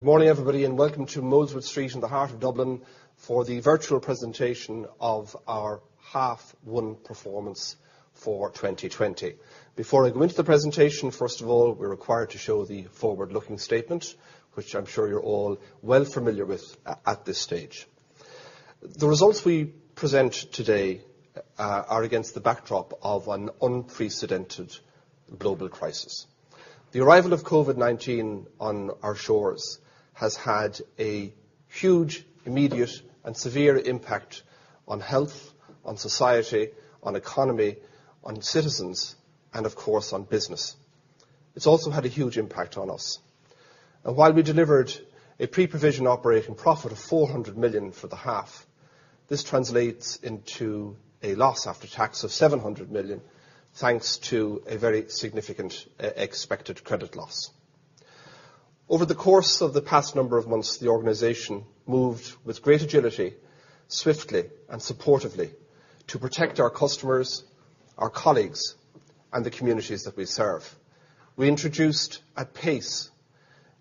Good morning, everybody, and welcome to Molesworth Street in the heart of Dublin for the virtual presentation of our half one performance for 2020. Before I go into the presentation, first of all, we're required to show the forward-looking statement, which I'm sure you're all well familiar with at this stage. The results we present today are against the backdrop of an unprecedented global crisis. The arrival of COVID-19 on our shores has had a huge, immediate, and severe impact on health, on society, on economy, on citizens, and, of course, on business. It's also had a huge impact on us. While we delivered a pre-provision operating profit of 400 million for the half, this translates into a loss after tax of 700 million, thanks to a very significant expected credit loss. Over the course of the past number of months, the organization moved with great agility, swiftly and supportively, to protect our customers, our colleagues, and the communities that we serve. We introduced, at pace,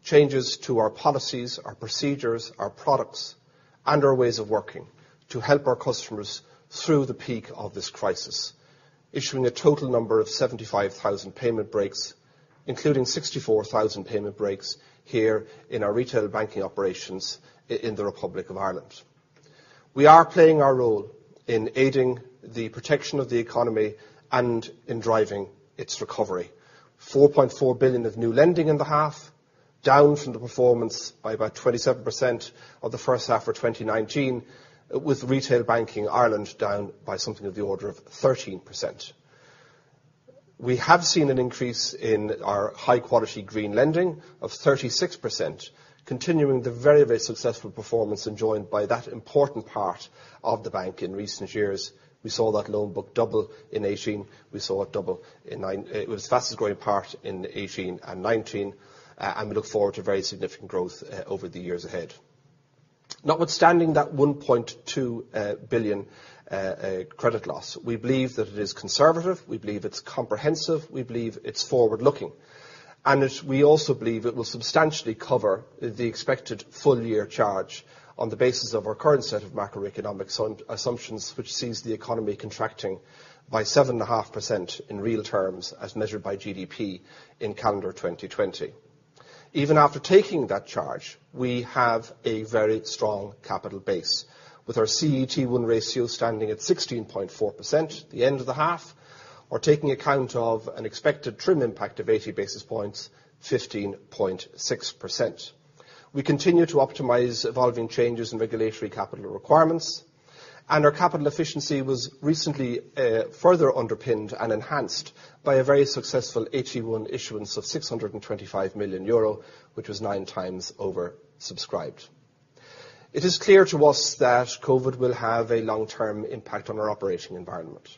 changes to our policies, our procedures, our products, and our ways of working to help our customers through the peak of this crisis, issuing a total number of 75,000 payment breaks, including 64,000 payment breaks here in our retail banking operations in the Republic of Ireland. We are playing our role in aiding the protection of the economy and in driving its recovery. 4.4 billion of new lending in the half, down from the performance by about 27% of the first half for 2019, with retail banking Ireland down by something of the order of 13%. We have seen an increase in our high-quality green lending of 36%, continuing the very successful performance enjoyed by that important part of the bank in recent years. We saw that loan book double in 2018. It was the fastest-growing part in 2018 and 2019, and we look forward to very significant growth over the years ahead. Notwithstanding that 1.2 billion credit loss, we believe that it is conservative, we believe it's comprehensive, we believe it's forward-looking, and we also believe it will substantially cover the expected full-year charge on the basis of our current set of macroeconomic assumptions, which sees the economy contracting by 7.5% in real terms as measured by GDP in calendar 2020. Even after taking that charge, we have a very strong capital base. With our CET1 ratio standing at 16.4% the end of the half or taking account of an expected TRIM impact of 80 basis points, 15.6%. We continue to optimize evolving changes in regulatory capital requirements, and our capital efficiency was recently further underpinned and enhanced by a very successful AT1 issuance of €625 million, which was 9x oversubscribed. It is clear to us that COVID will have a long-term impact on our operating environment,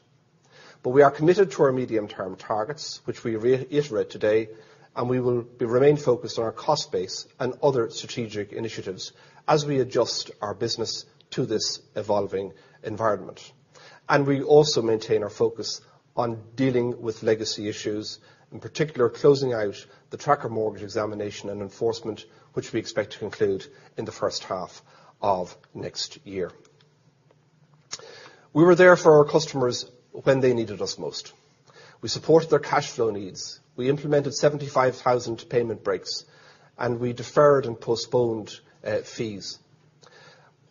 but we are committed to our medium-term targets, which we reiterate today, and we will remain focused on our cost base and other strategic initiatives as we adjust our business to this evolving environment. We also maintain our focus on dealing with legacy issues, in particular, closing out the tracker mortgage examination and enforcement, which we expect to conclude in the first half of next year. We were there for our customers when they needed us most. We supported their cash flow needs. We implemented 75,000 payment breaks, and we deferred and postponed fees.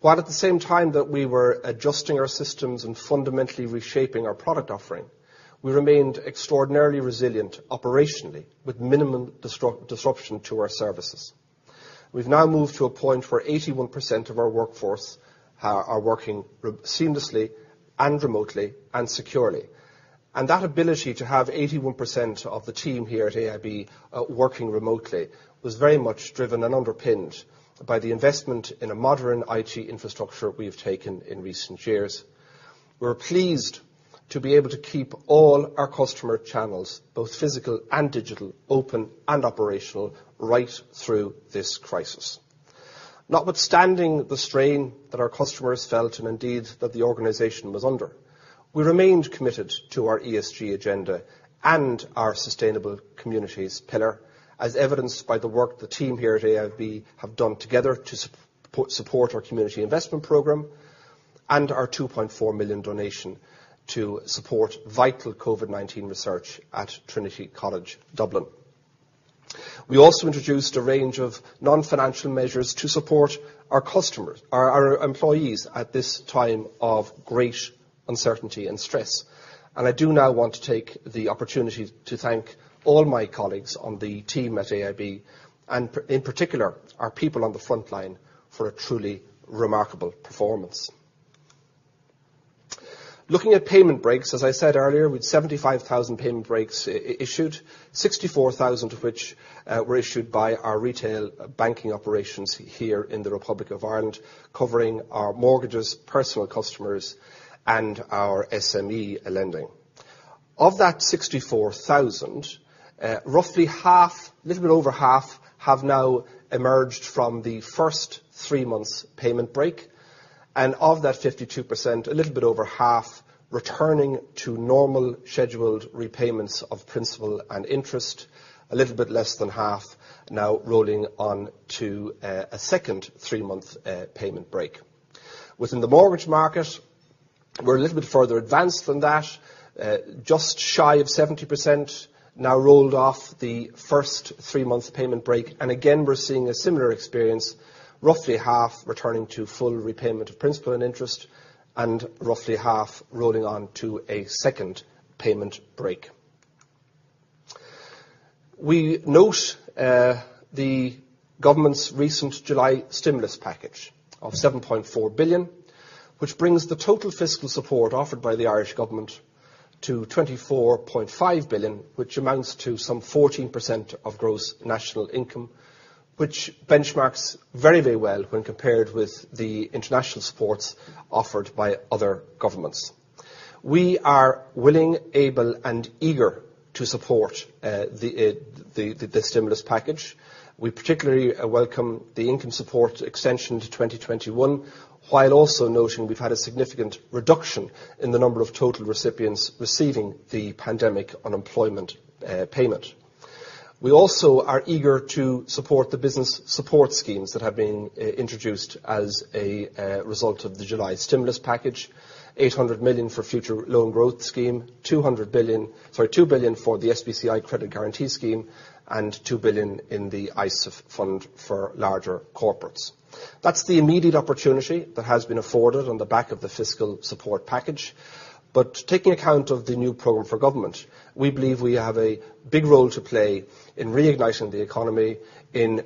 While at the same time that we were adjusting our systems and fundamentally reshaping our product offering, we remained extraordinarily resilient operationally with minimum disruption to our services. We've now moved to a point where 81% of our workforce are working seamlessly and remotely and securely. That ability to have 81% of the team here at AIB working remotely was very much driven and underpinned by the investment in a modern IT infrastructure we've taken in recent years. We're pleased to be able to keep all our customer channels, both physical and digital, open and operational right through this crisis. Notwithstanding the strain that our customers felt, and indeed that the organization was under, we remained committed to our ESG agenda and our sustainable communities pillar, as evidenced by the work the team here at AIB have done together to support our community investment program and our 2.4 million donation to support vital COVID-19 research at Trinity College Dublin. We also introduced a range of non-financial measures to support our employees at this time of great uncertainty and stress. I do now want to take the opportunity to thank all my colleagues on the team at AIB, and in particular, our people on the frontline, for a truly remarkable performance. Looking at payment breaks, as I said earlier, with 75,000 payment breaks issued, 64,000 of which were issued by our retail banking operations here in the Republic of Ireland, covering our mortgages, personal customers, and our SME lending. Of that 64,000, roughly half, a little bit over half, have now emerged from the first three months' payment break. Of that 52%, a little bit over half returning to normal scheduled repayments of principal and interest, a little bit less than half now rolling on to a second three-month payment break. Within the mortgage market, we're a little bit further advanced than that, just shy of 70% now rolled off the first three-month payment break. Again, we're seeing a similar experience, roughly half returning to full repayment of principal and interest, and roughly half rolling on to a second payment break. We note the government's recent July stimulus package of 7.4 billion, which brings the total fiscal support offered by the Irish government to 24.5 billion, which amounts to some 14% of gross national income, which benchmarks very well when compared with the international supports offered by other governments. We are willing, able, and eager to support the stimulus package. We particularly welcome the income support extension to 2021, while also noting we've had a significant reduction in the number of total recipients receiving the pandemic unemployment payment. We also are eager to support the business support schemes that have been introduced as a result of the July stimulus package, 800 million for Future Growth Loan Scheme, 2 billion for the SBCI Credit Guarantee Scheme, and 2 billion in the ISIF fund for larger corporates. That's the immediate opportunity that has been afforded on the back of the fiscal support package. Taking account of the new program for government, we believe we have a big role to play in reigniting the economy, in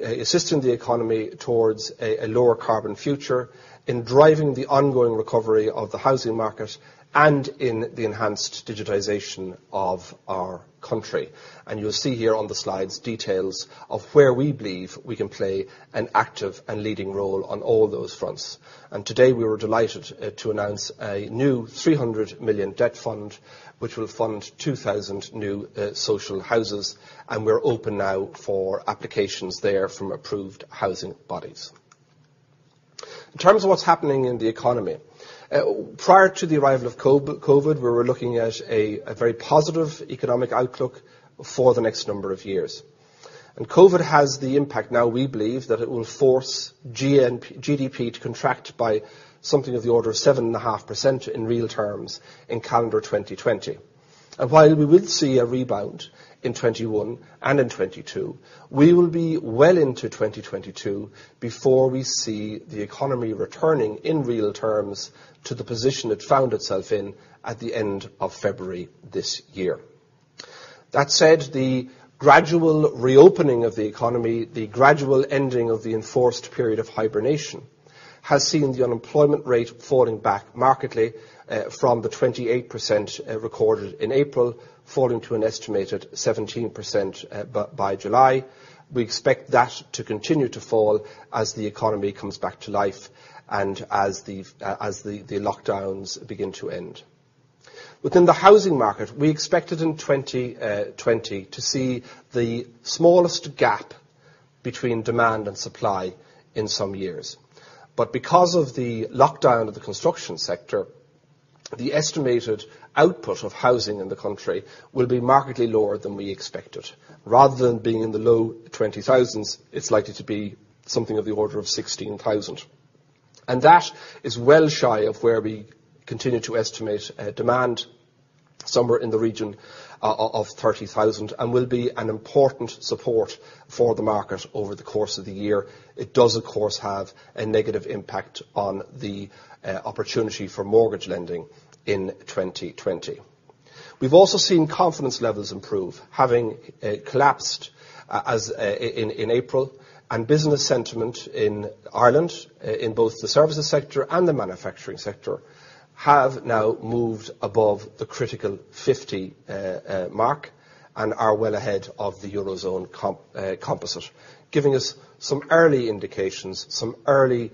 assisting the economy towards a lower carbon future, in driving the ongoing recovery of the housing market, and in the enhanced digitization of our country. You'll see here on the slides details of where we believe we can play an active and leading role on all those fronts. Today we were delighted to announce a new 300 million debt fund, which will fund 2,000 new social houses, and we're open now for applications there from approved housing bodies. In terms of what's happening in the economy, prior to the arrival of COVID, we were looking at a very positive economic outlook for the next number of years. COVID has the impact now, we believe, that it will force GDP to contract by something of the order of 7.5% in real terms in calendar 2020. While we will see a rebound in 2021 and in 2022, we will be well into 2022 before we see the economy returning in real terms to the position it found itself in at the end of February this year. That said, the gradual reopening of the economy, the gradual ending of the enforced period of hibernation, has seen the unemployment rate falling back markedly from the 28% recorded in April, falling to an estimated 17% by July. We expect that to continue to fall as the economy comes back to life and as the lockdowns begin to end. Within the housing market, we expected in 2020 to see the smallest gap between demand and supply in some years. Because of the lockdown of the construction sector, the estimated output of housing in the country will be markedly lower than we expected. Rather than being in the low 20,000s, it's likely to be something of the order of 16,000. That is well shy of where we continue to estimate demand somewhere in the region of 30,000 and will be an important support for the market over the course of the year. It does, of course, have a negative impact on the opportunity for mortgage lending in 2020. We've also seen confidence levels improve, having collapsed in April, and business sentiment in Ireland, in both the services sector and the manufacturing sector, have now moved above the critical 50 mark and are well ahead of the Eurozone composite, giving us some early indications, some early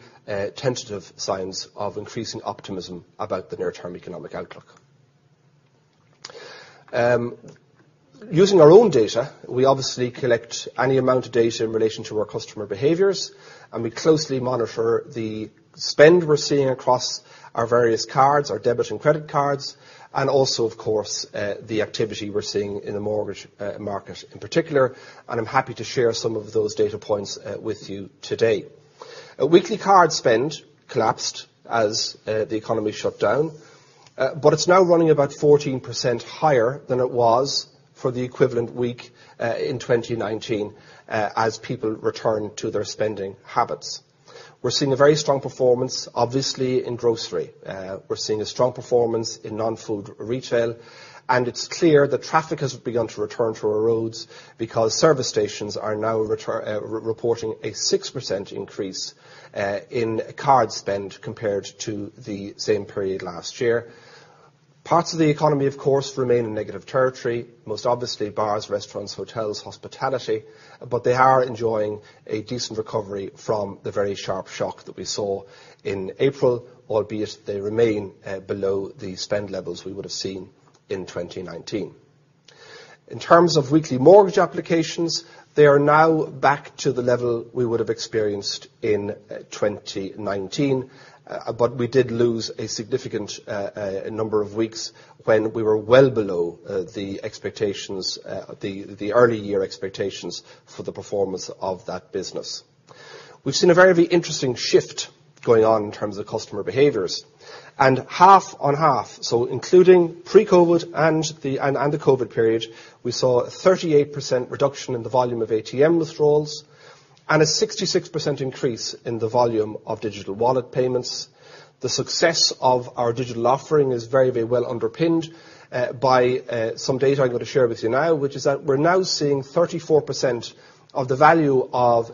tentative signs of increasing optimism about the near-term economic outlook. Using our own data, we obviously collect any amount of data in relation to our customer behaviors, and we closely monitor the spend we're seeing across our various cards, our debit and credit cards, and also, of course, the activity we're seeing in the mortgage market in particular. I'm happy to share some of those data points with you today. Weekly card spend collapsed as the economy shut down, but it's now running about 14% higher than it was for the equivalent week in 2019, as people return to their spending habits. We're seeing a very strong performance, obviously, in grocery. We're seeing a strong performance in non-food retail, and it's clear that traffic has begun to return to our roads because service stations are now reporting a 6% increase in card spend compared to the same period last year. Parts of the economy, of course, remain in negative territory, most obviously bars, restaurants, hotels, hospitality, they are enjoying a decent recovery from the very sharp shock that we saw in April, albeit they remain below the spend levels we would have seen in 2019. In terms of weekly mortgage applications, they are now back to the level we would have experienced in 2019. We did lose a significant number of weeks when we were well below the early year expectations for the performance of that business. We've seen a very interesting shift going on in terms of customer behaviors, half on half, so including pre-COVID and the COVID period, we saw a 38% reduction in the volume of ATM withdrawals and a 66% increase in the volume of digital wallet payments. The success of our digital offering is very well underpinned by some data I'm going to share with you now, which is that we're now seeing 34% of the value of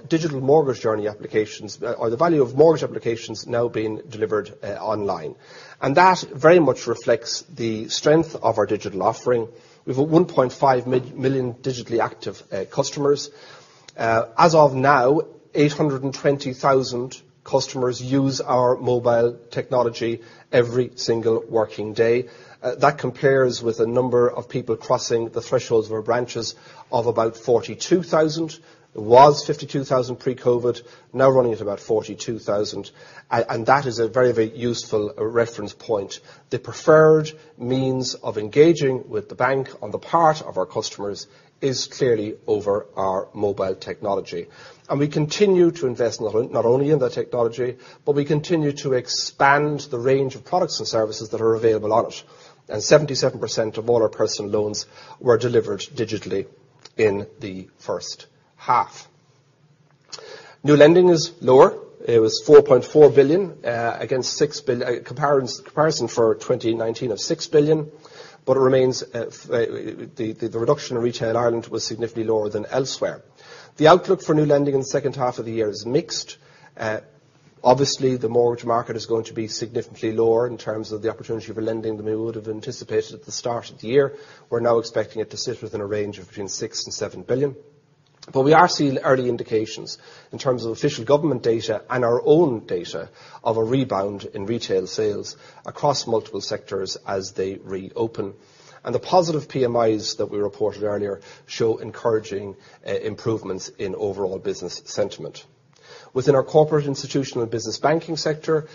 mortgage applications now being delivered online. That very much reflects the strength of our digital offering. We've 1.5 million digitally active customers. As of now, 820,000 customers use our mobile technology every single working day. That compares with a number of people crossing the thresholds of our branches of about 42,000. It was 52,000 pre-COVID, now running at about 42,000, and that is a very useful reference point. The preferred means of engaging with the bank on the part of our customers is clearly over our mobile technology. We continue to invest not only in the technology, but we continue to expand the range of products and services that are available on it, and 77% of all our personal loans were delivered digitally in the first half. New lending is lower. It was 4.4 billion against a comparison for 2019 of 6 billion, but the reduction in retail Ireland was significantly lower than elsewhere. The outlook for new lending in the second half of the year is mixed. Obviously, the mortgage market is going to be significantly lower in terms of the opportunity for lending than we would have anticipated at the start of the year. We're now expecting it to sit within a range of between 6 billion and 7 billion. We are seeing early indications in terms of official government data and our own data of a rebound in retail sales across multiple sectors as they reopen, and the positive PMIs that we reported earlier show encouraging improvements in overall business sentiment. Within our corporate institutional and business banking sector,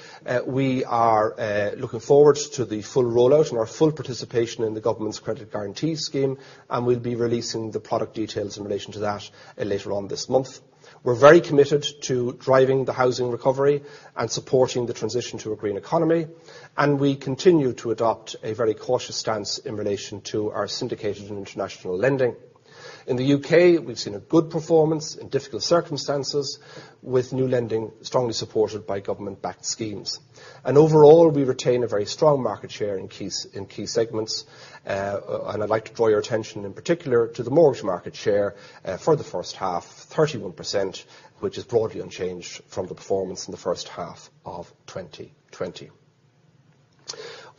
we are looking forward to the full rollout and our full participation in the government's Credit Guarantee Scheme, and we'll be releasing the product details in relation to that later on this month. We're very committed to driving the housing recovery and supporting the transition to a green economy, and we continue to adopt a very cautious stance in relation to our syndicated and international lending. In the U.K., we've seen a good performance in difficult circumstances with new lending strongly supported by government-backed schemes. Overall, we retain a very strong market share in key segments. I'd like to draw your attention in particular to the mortgage market share for the first half, 31%, which is broadly unchanged from the performance in the first half of 2020.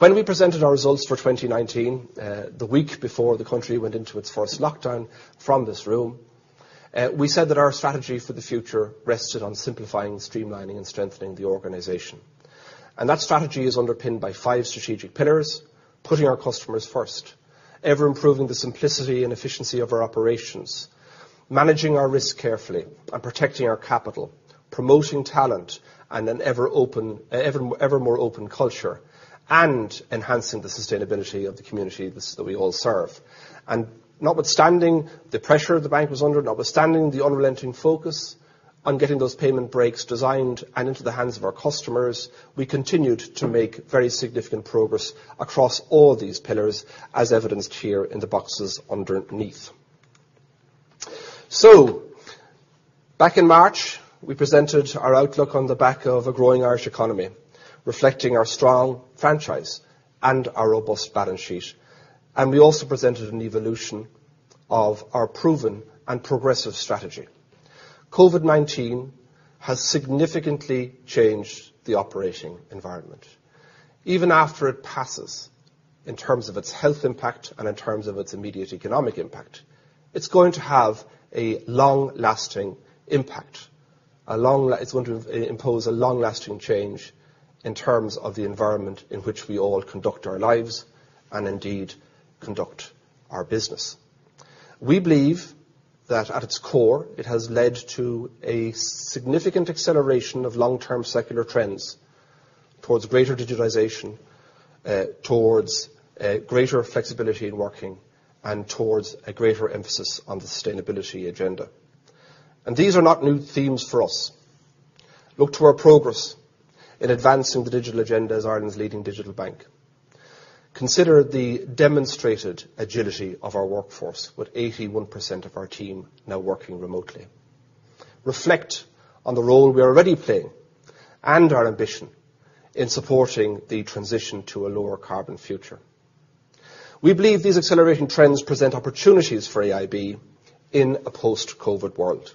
When we presented our results for 2019, the week before the country went into its first lockdown from this room, we said that our strategy for the future rested on simplifying, streamlining, and strengthening the organization. That strategy is underpinned by five strategic pillars, putting our customers first, ever improving the simplicity and efficiency of our operations, managing our risk carefully and protecting our capital, promoting talent, and an ever more open culture, and enhancing the sustainability of the communities that we all serve. Notwithstanding the pressure the bank was under, notwithstanding the unrelenting focus on getting those payment breaks designed and into the hands of our customers, we continued to make very significant progress across all these pillars, as evidenced here in the boxes underneath. Back in March, we presented our outlook on the back of a growing Irish economy, reflecting our strong franchise and our robust balance sheet. We also presented an evolution of our proven and progressive strategy. COVID-19 has significantly changed the operating environment. Even after it passes, in terms of its health impact and in terms of its immediate economic impact, it's going to have a long-lasting impact. It's going to impose a long-lasting change in terms of the environment in which we all conduct our lives and indeed conduct our business. We believe that at its core, it has led to a significant acceleration of long-term secular trends towards greater digitization, towards greater flexibility in working, and towards a greater emphasis on the sustainability agenda. These are not new themes for us. Look to our progress in advancing the digital agenda as Ireland's leading digital bank. Consider the demonstrated agility of our workforce with 81% of our team now working remotely. Reflect on the role we are already playing and our ambition in supporting the transition to a lower carbon future. We believe these accelerating trends present opportunities for AIB in a post-COVID world.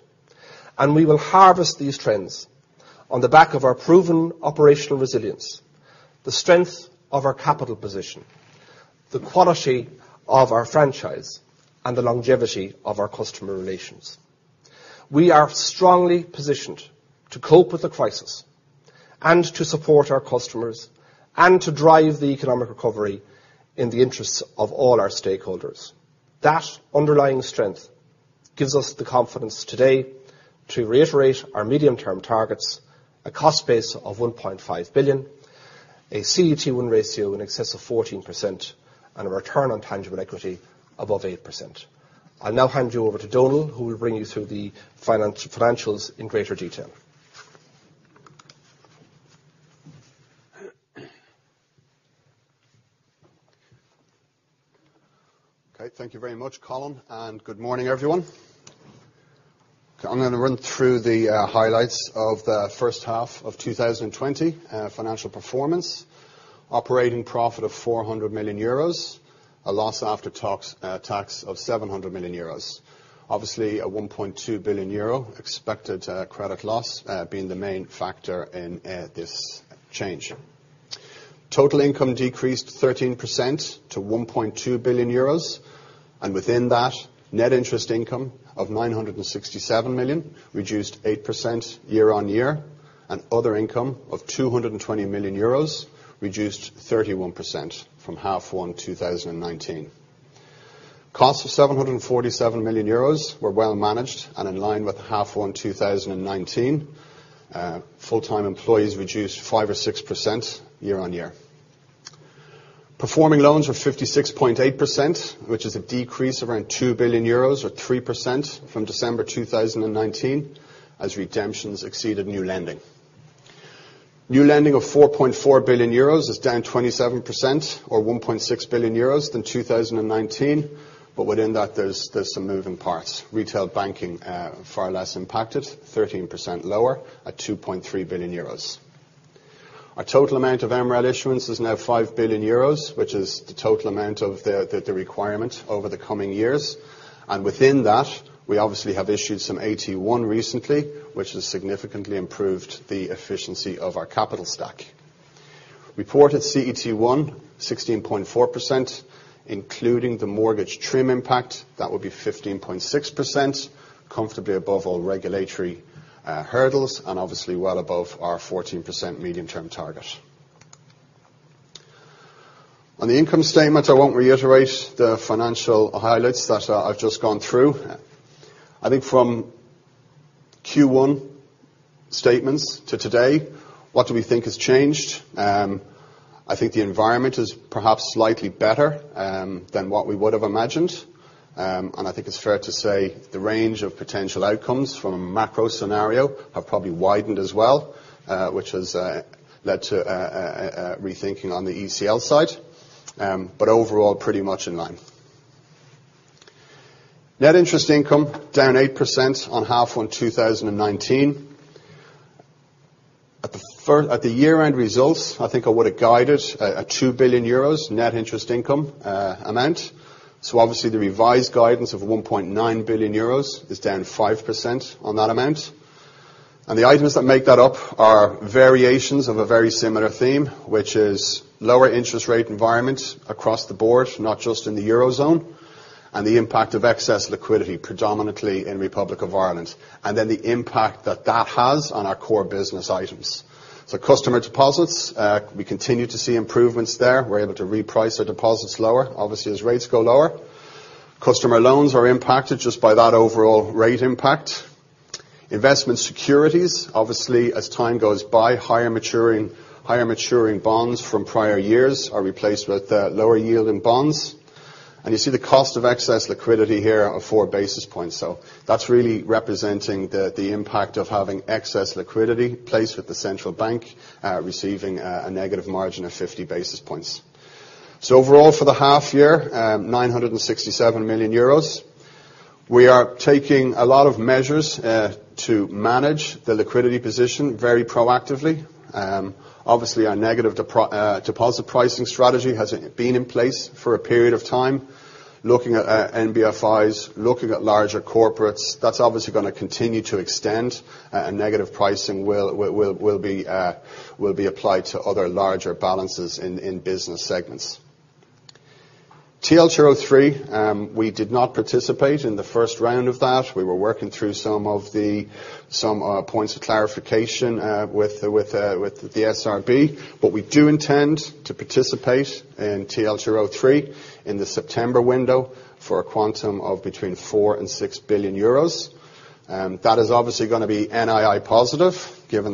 We will harvest these trends on the back of our proven operational resilience, the strength of our capital position, the quality of our franchise, and the longevity of our customer relations. We are strongly positioned to cope with the crisis, and to support our customers, and to drive the economic recovery in the interests of all our stakeholders. That underlying strength gives us the confidence today to reiterate our medium-term targets, a cost base of 1.5 billion, a CET1 ratio in excess of 14%, and a return on tangible equity above 8%. I'll now hand you over to Donal, who will bring you through the financials in greater detail. Okay. Thank you very much, Colin, good morning, everyone. I'm going to run through the highlights of the first half of 2020 financial performance. Operating profit of 400 million euros, a loss after tax of 700 million euros. Obviously, a 1.2 billion euro expected credit loss being the main factor in this change. Total income decreased 13% to 1.2 billion euros, within that, net interest income of 967 million, reduced 8% year-on-year, other income of 220 million euros, reduced 31% from half one 2019. Costs of 747 million euros were well managed and in line with half one 2019. Full-time employees reduced 5% or 6% year-on-year. Performing loans were 56.8%, which is a decrease of around 2 billion euros or 3% from December 2019 as redemptions exceeded new lending. New lending of 4.4 billion euros is down 27% or 1.6 billion euros than 2019. Within that, there's some moving parts. Retail banking, far less impacted, 13% lower at 2.3 billion euros. Our total amount of MREL issuance is now 5 billion euros, which is the total amount of the requirement over the coming years. Within that, we obviously have issued some AT1 recently, which has significantly improved the efficiency of our capital stack. Reported CET1 16.4%, including the mortgage TRIM impact, that would be 15.6%, comfortably above all regulatory hurdles, and obviously well above our 14% medium-term target. On the income statement, I won't reiterate the financial highlights that I've just gone through. I think from Q1 statements to today, what do we think has changed? I think the environment is perhaps slightly better than what we would have imagined. I think it's fair to say the range of potential outcomes from a macro scenario have probably widened as well, which has led to a rethinking on the ECL side. Overall, pretty much in line. Net interest income down 8% on half one 2019. At the year-end results, I think I would have guided a 2 billion euros Net Interest Income amount. Obviously the revised guidance of 1.9 billion euros is down 5% on that amount. The items that make that up are variations of a very similar theme, which is lower interest rate environment across the board, not just in the eurozone, and the impact of excess liquidity, predominantly in Republic of Ireland, and then the impact that that has on our core business items. Customer deposits, we continue to see improvements there. We're able to reprice our deposits lower, obviously as rates go lower. Customer loans are impacted just by that overall rate impact. Investment securities, obviously as time goes by, higher maturing bonds from prior years are replaced with lower yielding bonds. You see the cost of excess liquidity here of four basis points. That's really representing the impact of having excess liquidity placed with the central bank, receiving a negative margin of 50 basis points. Overall, for the half year, 967 million euros. We are taking a lot of measures to manage the liquidity position very proactively. Obviously, our negative deposit pricing strategy has been in place for a period of time. Looking at NBFIs, looking at larger corporates, that's obviously going to continue to extend, and negative pricing will be applied to other larger balances in business segments. TLTRO III, we did not participate in the first round of that. We were working through some points of clarification with the SRB, but we do intend to participate in TLTRO III in the September window for a quantum of between 4 billion and 6 billion euros. That is obviously going to be NII positive, given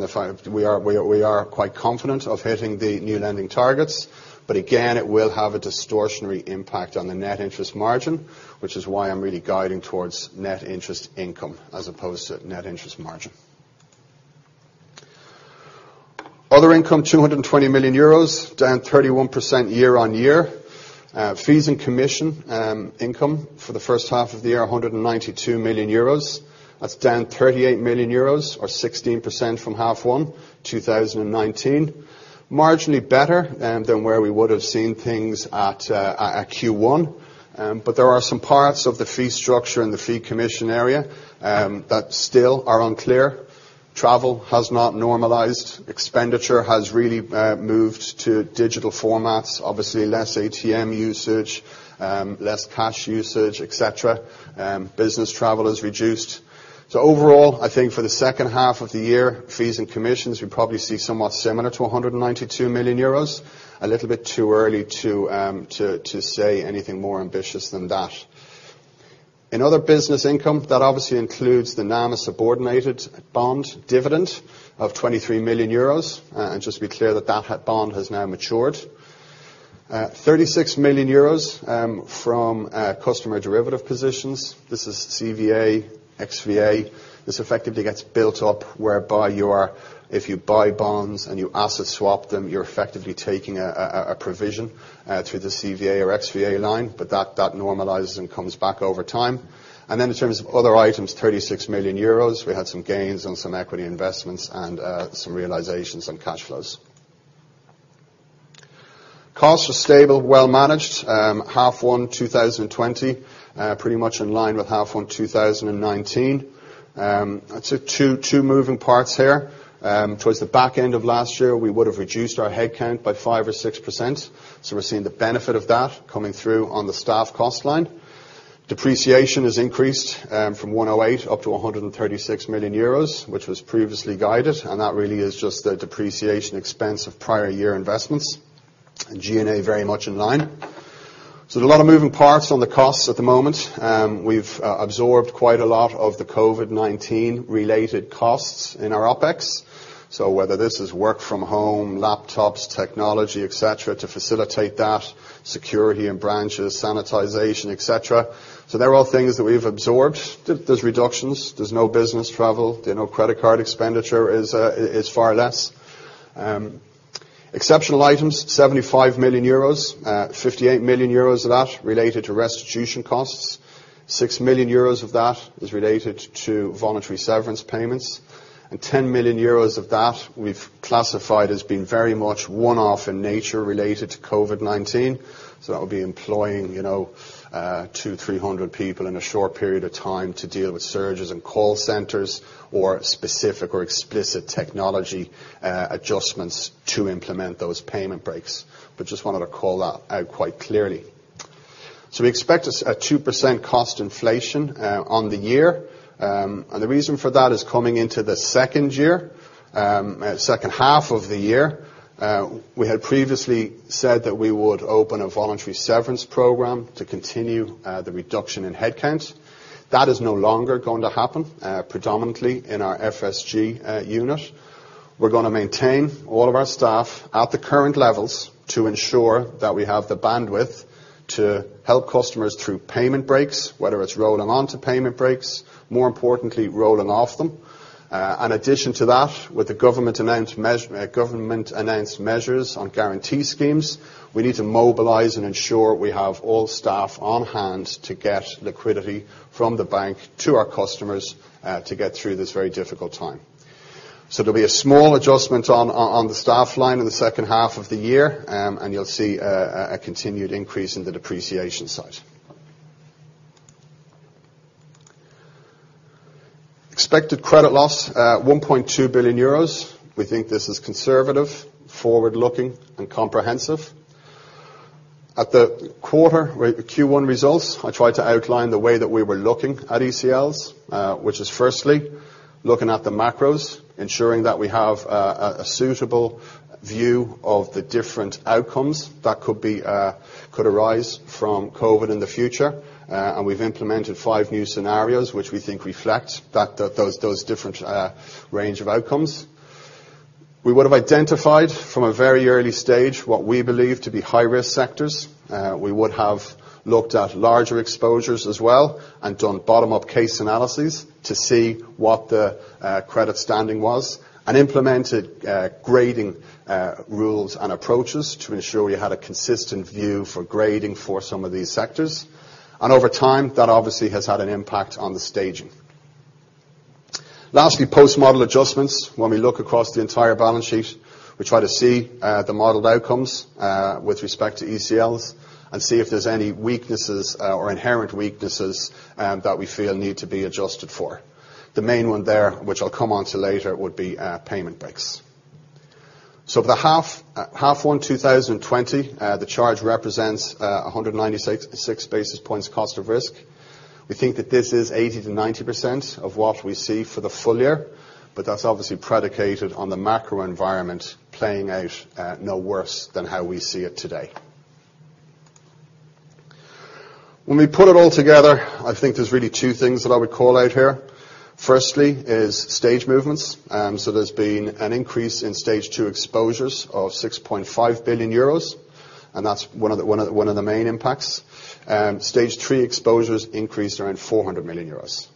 we are quite confident of hitting the new lending targets. Again, it will have a distortionary impact on the net interest margin, which is why I'm really guiding towards net interest income as opposed to net interest margin. Other income, 220 million euros, down 31% year-on-year. Fees and commission income for the first half of the year, 192 million euros. That's down 38 million euros or 16% from half one 2019. Marginally better than where we would have seen things at Q1. There are some parts of the fee structure and the fee commission area that still are unclear. Travel has not normalized. Expenditure has really moved to digital formats, obviously less ATM usage, less cash usage, et cetera. Business travel has reduced. Overall, I think for the second half of the year, fees and commissions, we probably see somewhat similar to 192 million euros. A little bit too early to say anything more ambitious than that. In other business income, that obviously includes the NAMA subordinated bond dividend of 23 million euros. Just to be clear, that that bond has now matured. 36 million euros from customer derivative positions. This is CVA, XVA. This effectively gets built up whereby if you buy bonds and you asset swap them, you're effectively taking a provision through the CVA or XVA line, but that normalizes and comes back over time. In terms of other items, 36 million euros, we had some gains on some equity investments and some realizations on cash flows. Costs were stable, well managed. Half one 2020, pretty much in line with half one 2019. Two moving parts here. Towards the back end of last year, we would have reduced our head count by 5% or 6%, so we're seeing the benefit of that coming through on the staff cost line. Depreciation has increased from 108 up to 136 million euros, which was previously guided, and that really is just the depreciation expense of prior year investments. G&A, very much in line. There are a lot of moving parts on the costs at the moment. We've absorbed quite a lot of the COVID-19 related costs in our OPEX. Whether this is work from home, laptops, technology, et cetera, to facilitate that, security in branches, sanitization, et cetera. They're all things that we've absorbed. There's reductions. There's no business travel. Credit card expenditure is far less. Exceptional items, 75 million euros. 58 million euros of that related to restitution costs. 6 million euros of that is related to voluntary severance payments, and 10 million euros of that we've classified as being very much one-off in nature related to COVID-19. That would be employing 200 or 300 people in a short period of time to deal with surges in call centers or specific or explicit technology adjustments to implement those payment breaks. Just wanted to call that out quite clearly. We expect a 2% cost inflation on the year. The reason for that is coming into the second half of the year. We had previously said that we would open a voluntary severance program to continue the reduction in head count. That is no longer going to happen predominantly in our FSG unit. We're going to maintain all of our staff at the current levels to ensure that we have the bandwidth to help customers through payment breaks, whether it's rolling onto payment breaks, more importantly, rolling off them. In addition to that, with the government-announced measures on guarantee schemes, we need to mobilize and ensure we have all staff on hand to get liquidity from the bank to our customers to get through this very difficult time. There'll be a small adjustment on the staff line in the second half of the year, and you'll see a continued increase in the depreciation side. Expected credit loss, 1.2 billion euros. We think this is conservative, forward-looking, and comprehensive. At the quarter, Q1 results, I tried to outline the way that we were looking at ECLs, which is firstly, looking at the macros, ensuring that we have a suitable view of the different outcomes that could arise from COVID in the future. We've implemented five new scenarios which we think reflect those different range of outcomes. We would have identified from a very early stage what we believe to be high-risk sectors. We would have looked at larger exposures as well and done bottom-up case analyses to see what the credit standing was and implemented grading rules and approaches to ensure we had a consistent view for grading for some of these sectors. Over time, that obviously has had an impact on the staging. Lastly, post-model adjustments. We look across the entire balance sheet, we try to see the modeled outcomes with respect to ECLs and see if there's any weaknesses or inherent weaknesses that we feel need to be adjusted for. The main one there, which I'll come onto later, would be payment breaks. For the half one 2020, the charge represents 196 basis points cost of risk. We think that this is 80%-90% of what we see for the full year, that's obviously predicated on the macro environment playing out no worse than how we see it today. We put it all together, I think there's really two things that I would call out here. Firstly is stage movements. There's been an increase in Stage 2 exposures of 6.5 billion euros, that's one of the main impacts. Stage 3 exposures increased around 400 million euros.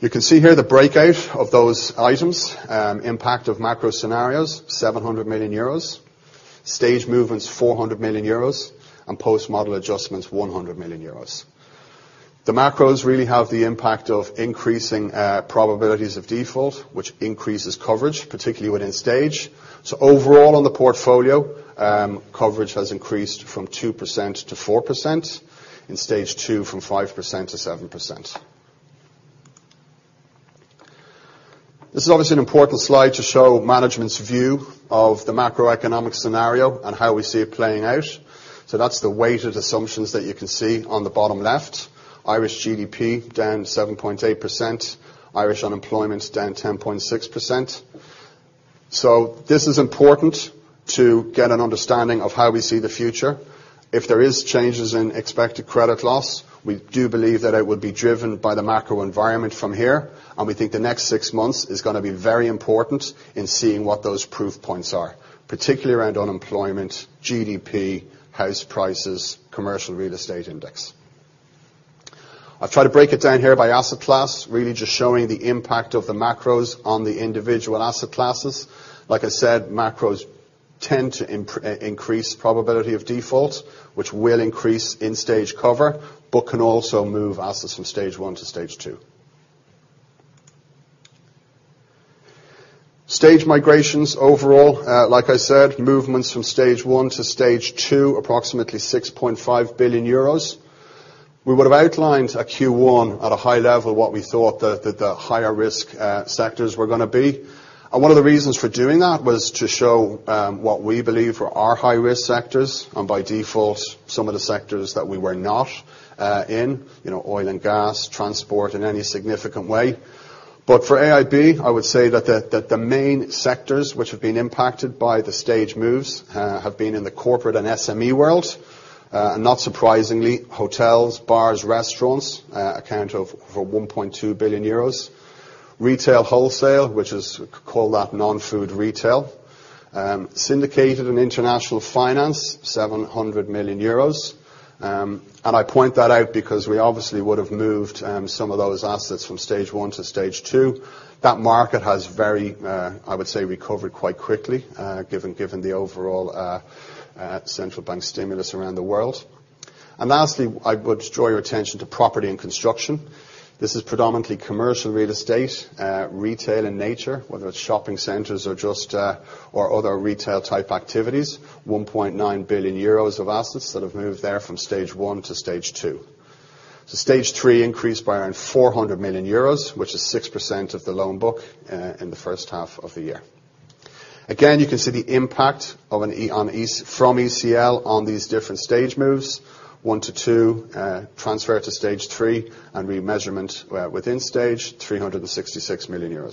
You can see here the breakout of those items. Impact of macro scenarios, 700 million euros. Stage movements, 400 million euros, and post-model adjustments, 100 million euros. The macros really have the impact of increasing probabilities of default, which increases coverage, particularly within stage. So overall on the portfolio, coverage has increased from 2%-4%, in Stage 2 from 5%-7%. This is obviously an important slide to show management's view of the macroeconomic scenario and how we see it playing out. That's the weighted assumptions that you can see on the bottom left. Irish GDP down 7.8%, Irish unemployment down 10.6%. This is important to get an understanding of how we see the future. If there is changes in expected credit loss, we do believe that it would be driven by the macro environment from here, and we think the next six months is going to be very important in seeing what those proof points are, particularly around unemployment, GDP, house prices, commercial real estate index. I've tried to break it down here by asset class, really just showing the impact of the macros on the individual asset classes. Like I said, macros tend to increase probability of default, which will increase in-stage cover, but can also move assets from Stage 1 to Stage 2. Stage migrations overall, like I said, movements from Stage 1 to Stage 2, approximately 6.5 billion euros. We would have outlined at Q1 at a high level what we thought that the higher risk sectors were going to be. One of the reasons for doing that was to show what we believe were our high-risk sectors, and by default, some of the sectors that we were not in, oil and gas, transport, in any significant way. For AIB, I would say that the main sectors which have been impacted by the stage moves, have been in the corporate and SME world. Not surprisingly, hotels, bars, restaurants, account for 1.2 billion euros. Retail wholesale, which is, call that non-food retail. Syndicated and international finance, 700 million euros. I point that out because we obviously would have moved some of those assets from Stage 1 to Stage 2. That market has very, I would say, recovered quite quickly, given the overall central bank stimulus around the world. Lastly, I would draw your attention to property and construction. This is predominantly commercial real estate, retail in nature, whether it's shopping centers or other retail type activities, €1.9 billion of assets that have moved there from Stage 1 to Stage 2. Stage 3 increased by around €400 million, which is 6% of the loan book, in the first half of the year. Again, you can see the impact from ECL on these different stage moves. 1 to 2, transfer to Stage 3, and remeasurement within stage, €366 million.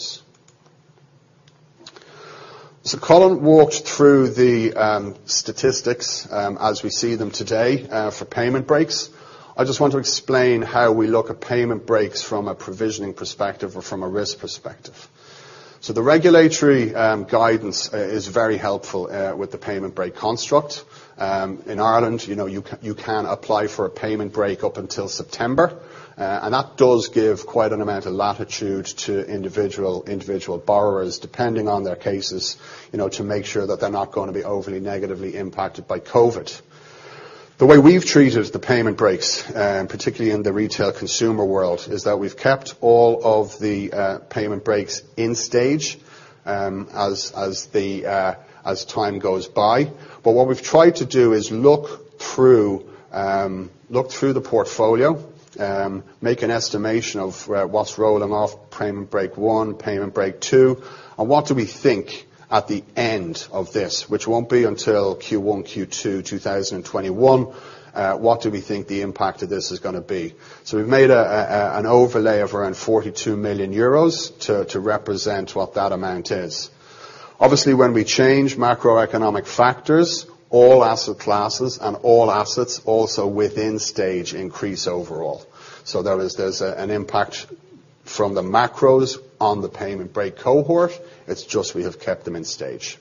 Colin walked through the statistics as we see them today for payment breaks. I just want to explain how we look at payment breaks from a provisioning perspective or from a risk perspective. The regulatory guidance is very helpful with the payment break construct. In Ireland, you can apply for a payment break up until September. That does give quite an amount of latitude to individual borrowers, depending on their cases, to make sure that they're not going to be overly negatively impacted by COVID. The way we've treated the payment breaks, particularly in the retail consumer world, is that we've kept all of the payment breaks in stage, as time goes by. What we've tried to do is look through the portfolio, make an estimation of what's rolling off payment break 1, payment break 2, and what do we think at the end of this, which won't be until Q1, Q2 2021, what do we think the impact of this is going to be? We've made an overlay of around 42 million euros to represent what that amount is. Obviously, when we change macroeconomic factors, all asset classes and all assets also within stage increase overall. There's an impact from the macros on the payment break cohort. It's just we have kept them in stage.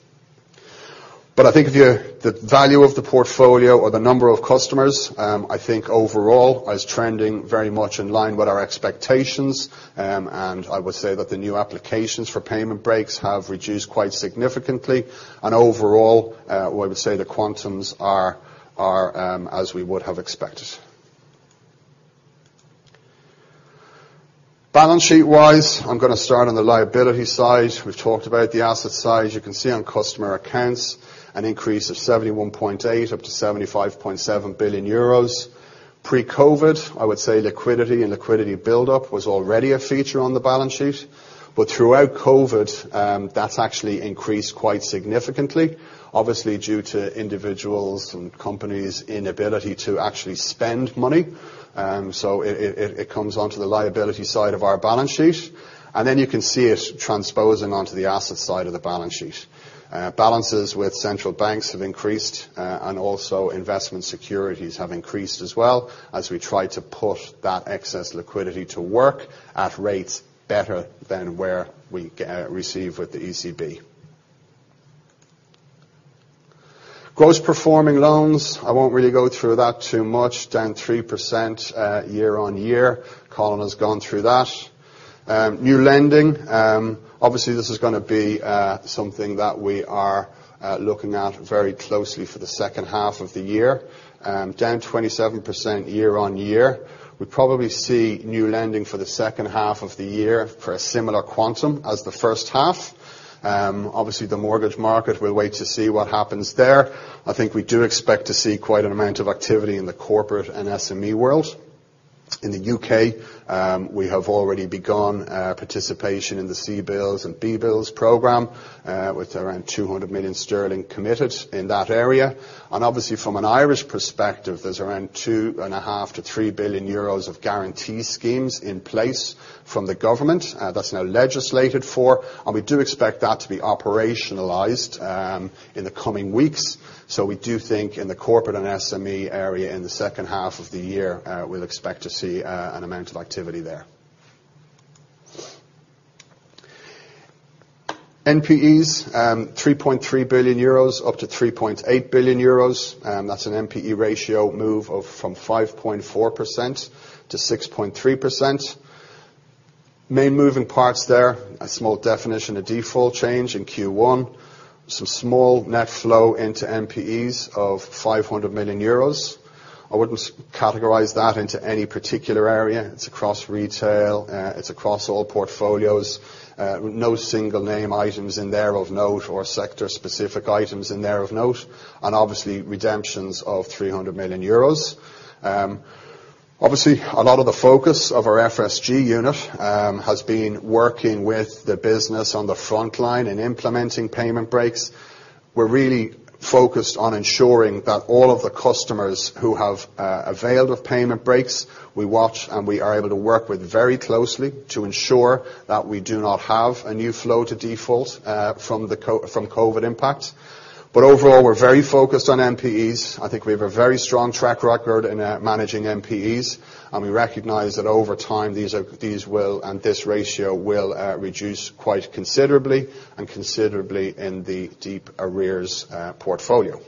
I think the value of the portfolio or the number of customers, I think overall is trending very much in line with our expectations, and I would say that the new applications for payment breaks have reduced quite significantly. Overall, I would say the quantums are as we would have expected. Balance sheet-wise, I'm going to start on the liability side. We've talked about the asset side. You can see on customer accounts an increase of 71.8 up to 75.7 billion euros. Pre-COVID, I would say liquidity and liquidity buildup was already a feature on the balance sheet. Throughout COVID, that's actually increased quite significantly. Obviously, due to individuals and companies inability to actually spend money. It comes onto the liability side of our balance sheet. You can see it transposing onto the asset side of the balance sheet. Balances with central banks have increased, and also investment securities have increased as well, as we try to put that excess liquidity to work at rates better than where we receive with the ECB. Gross performing loans, I won't really go through that too much, down 3%, year-on-year. Colin has gone through that. New lending, obviously, this is going to be something that we are looking at very closely for the second half of the year. Down 27% year-on-year. We probably see new lending for the second half of the year for a similar quantum as the first half. Obviously, the mortgage market, we'll wait to see what happens there. I think we do expect to see quite an amount of activity in the corporate and SME world. In the U.K., we have already begun our participation in the CBILS and BBILS program, with around 200 million sterling committed in that area. Obviously, from an Irish perspective, there's around 2.5 billion-3 billion euros of guarantee schemes in place from the government. That's now legislated for. We do expect that to be operationalized in the coming weeks. We do think in the corporate and SME area in the second half of the year, we'll expect to see an amount of activity there. NPEs, 3.3 billion-3.8 billion euros. That's an NPE ratio move of from 5.4%-6.3%. Main moving parts there, a small definition of default change in Q1, with some small net flow into NPEs of 500 million euros. I wouldn't categorize that into any particular area. It's across retail. It's across all portfolios. No single name items in there of note or sector specific items in there of note. Obviously, redemptions of 300 million euros. Obviously, a lot of the focus of our FSG unit has been working with the business on the frontline in implementing payment breaks. We're really focused on ensuring that all of the customers who have availed of payment breaks, we watch and we are able to work with very closely to ensure that we do not have a new flow to default from COVID impact. Overall, we're very focused on NPEs. I think we have a very strong track record in managing NPEs, and we recognize that over time, these will, and this ratio will reduce quite considerably, and considerably in the deep arrears portfolio.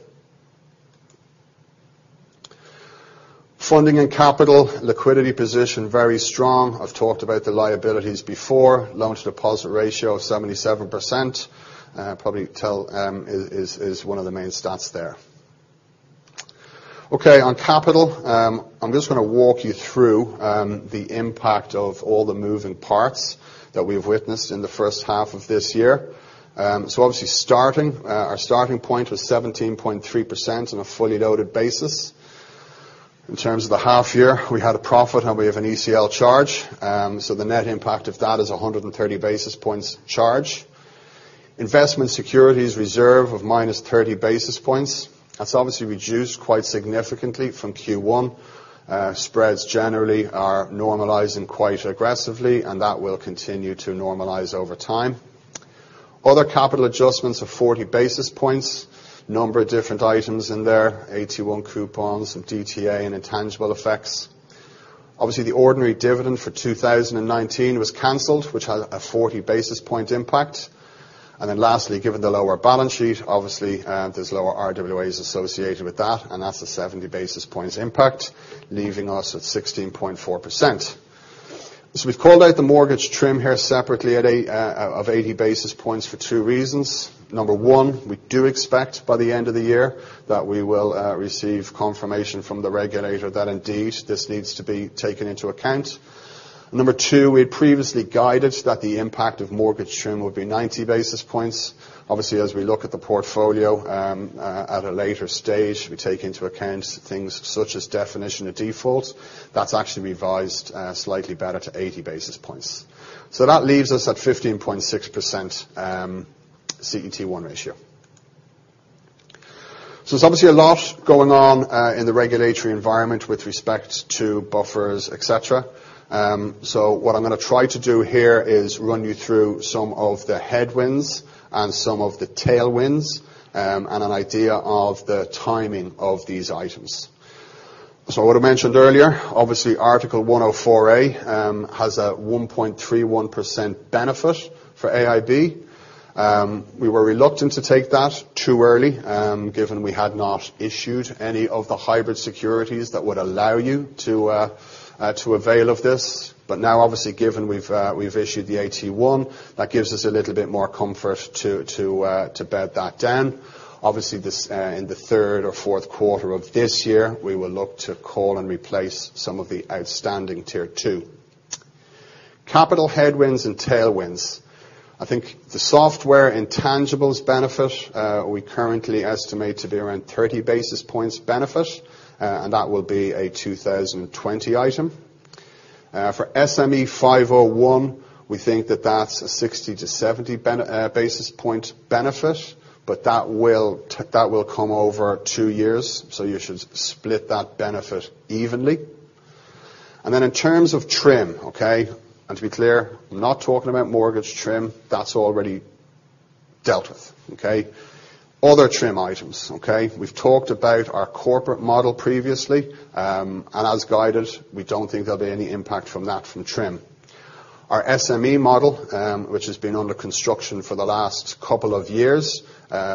Funding and capital liquidity position very strong. I've talked about the liabilities before. Loan-to-deposit ratio of 77% probably is one of the main stats there. Okay. On capital, I'm just going to walk you through the impact of all the moving parts that we've witnessed in the first half of this year. Obviously our starting point was 17.3% on a fully loaded basis. In terms of the half year, we had a profit and we have an ECL charge, so the net impact of that is 130 basis points charge. Investment securities reserve of minus 30 basis points. That's obviously reduced quite significantly from Q1. Spreads generally are normalizing quite aggressively, and that will continue to normalize over time. Other capital adjustments of 40 basis points. Number of different items in there, AT1 coupons, some DTA and intangible effects. The ordinary dividend for 2019 was canceled, which had a 40 basis point impact. Lastly, given the lower balance sheet, obviously, there's lower RWA associated with that, and that's a 70 basis points impact, leaving us at 16.4%. We've called out the mortgage TRIM here separately of 80 basis points for two reasons. Number one, we do expect by the end of the year that we will receive confirmation from the regulator that indeed, this needs to be taken into account. Number two, we had previously guided that the impact of mortgage TRIM would be 90 basis points. As we look at the portfolio, at a later stage, we take into account things such as definition of default. That's actually revised slightly better to 80 basis points. That leaves us at 15.6% CET1 ratio. There's obviously a lot going on in the regulatory environment with respect to buffers, et cetera. What I'm going to try to do here is run you through some of the headwinds and some of the tailwinds, and an idea of the timing of these items. What I mentioned earlier, obviously Article 104a, has a 1.31% benefit for AIB. We were reluctant to take that too early, given we had not issued any of the hybrid securities that would allow you to avail of this. Now, obviously, given we've issued the AT1, that gives us a little bit more comfort to bed that down. Obviously, in the third or fourth quarter of this year, we will look to call and replace some of the outstanding Tier 2. Capital headwinds and tailwinds. I think the software intangibles benefit, we currently estimate to be around 30 basis points benefit, and that will be a 2020 item. For SME 501, we think that that's a 60 to 70 basis point benefit, but that will come over two years, so you should split that benefit evenly. In terms of TRIM, okay, and to be clear, I'm not talking about mortgage TRIM. That's already dealt with, okay? Other TRIM items, okay. We've talked about our corporate model previously, and as guided, we don't think there'll be any impact from that from TRIM. Our SME model, which has been under construction for the last couple of years,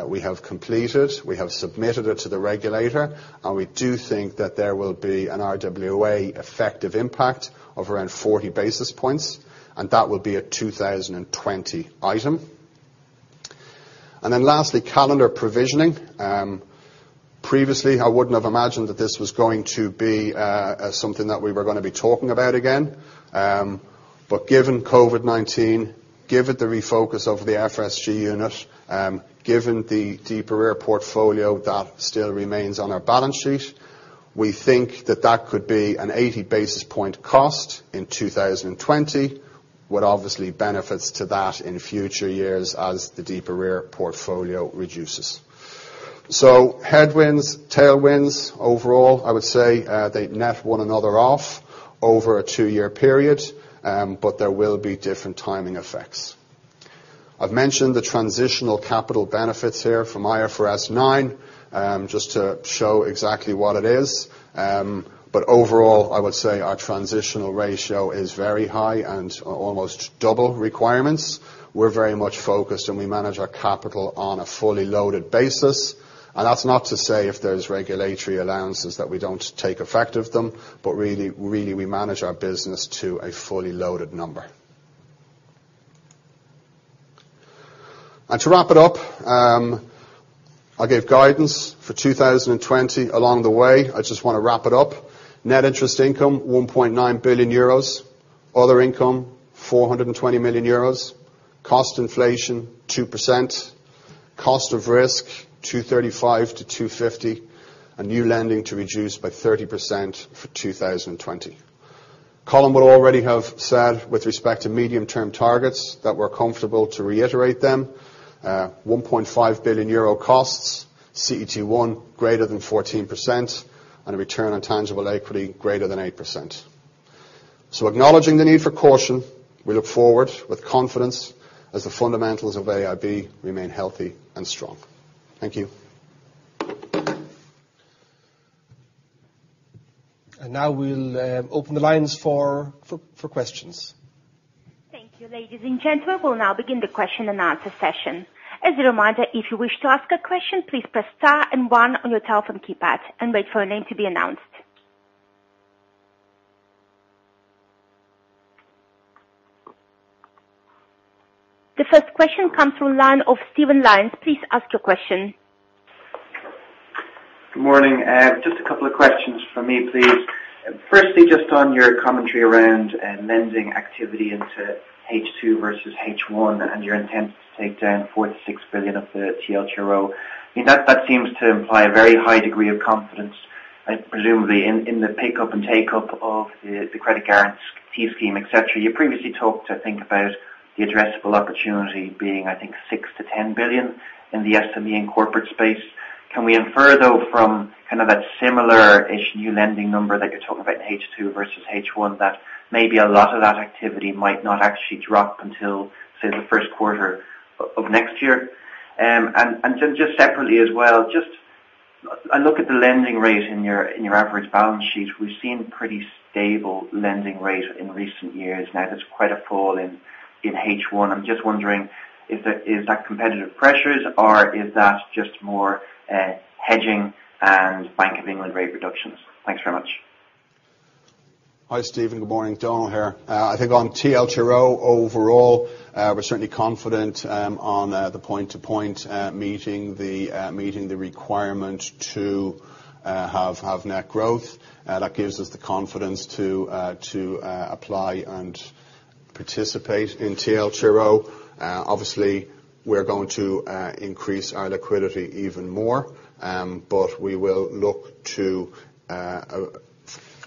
we have completed, we have submitted it to the regulator, and we do think that there will be an RWA effective impact of around 40 basis points, and that will be a 2020 item. Lastly, calendar provisioning. Previously, I wouldn't have imagined that this was going to be something that we were going to be talking about again. Given COVID-19, given the refocus of the FSG unit, given the deep arrears portfolio that still remains on our balance sheet, we think that that could be an 80 basis point cost in 2020, with obviously benefits to that in future years as the deep arrears portfolio reduces. Headwinds, tailwinds, overall, I would say they net one another off over a two-year period, but there will be different timing effects. I've mentioned the transitional capital benefits here from IFRS 9, just to show exactly what it is. Overall, I would say our transitional ratio is very high and almost double requirements. We're very much focused, and we manage our capital on a fully loaded basis. That's not to say if there's regulatory allowances that we don't take effect of them, but really, we manage our business to a fully loaded number. To wrap it up, I gave guidance for 2020 along the way. I just want to wrap it up. Net interest income, 1.9 billion euros. Other income, 420 million euros. Cost inflation, 2%. Cost of risk, 235 to 250. New lending to reduce by 30% for 2020. Colin will already have said with respect to medium-term targets that we're comfortable to reiterate them. 1.5 billion euro costs, CET1 greater than 14%, and a return on tangible equity greater than 8%. Acknowledging the need for caution, we look forward with confidence as the fundamentals of AIB remain healthy and strong. Thank you. Now we'll open the lines for questions. Thank you. Ladies and gentlemen, we'll now begin the question-and-answer session. As a reminder, if you wish to ask a question, please press star and one on your telephone keypad and wait for your name to be announced. The first question comes from the line of Stephen Lyons. Please ask your question. Good morning. A couple of questions from me, please. On your commentary around lending activity into H2 versus H1 and your intent to take down 4 billion-6 billion of the TLTRO. That seems to imply a very high degree of confidence, presumably, in the pickup and takeup of the Credit Guarantee Scheme, et cetera. You previously talked about the addressable opportunity being 6 billion-10 billion in the SME and corporate space. Can we infer, though, from that similar-ish new lending number that you're talking about in H2 versus H1, that maybe a lot of that activity might not actually drop until, say, the first quarter of next year? Separately as well, I look at the lending rate in your average balance sheet. We've seen pretty stable lending rate in recent years. Now there's quite a fall in H1. I'm just wondering, is that competitive pressures or is that just more hedging and Bank of England rate reductions? Thanks very much. Hi, Stephen. Good morning. Donal here. I think on TLTRO overall, we're certainly confident on the point-to-point meeting the requirement to have net growth. That gives us the confidence to apply and participate in TLTRO. Obviously, we're going to increase our liquidity even more, but we will look to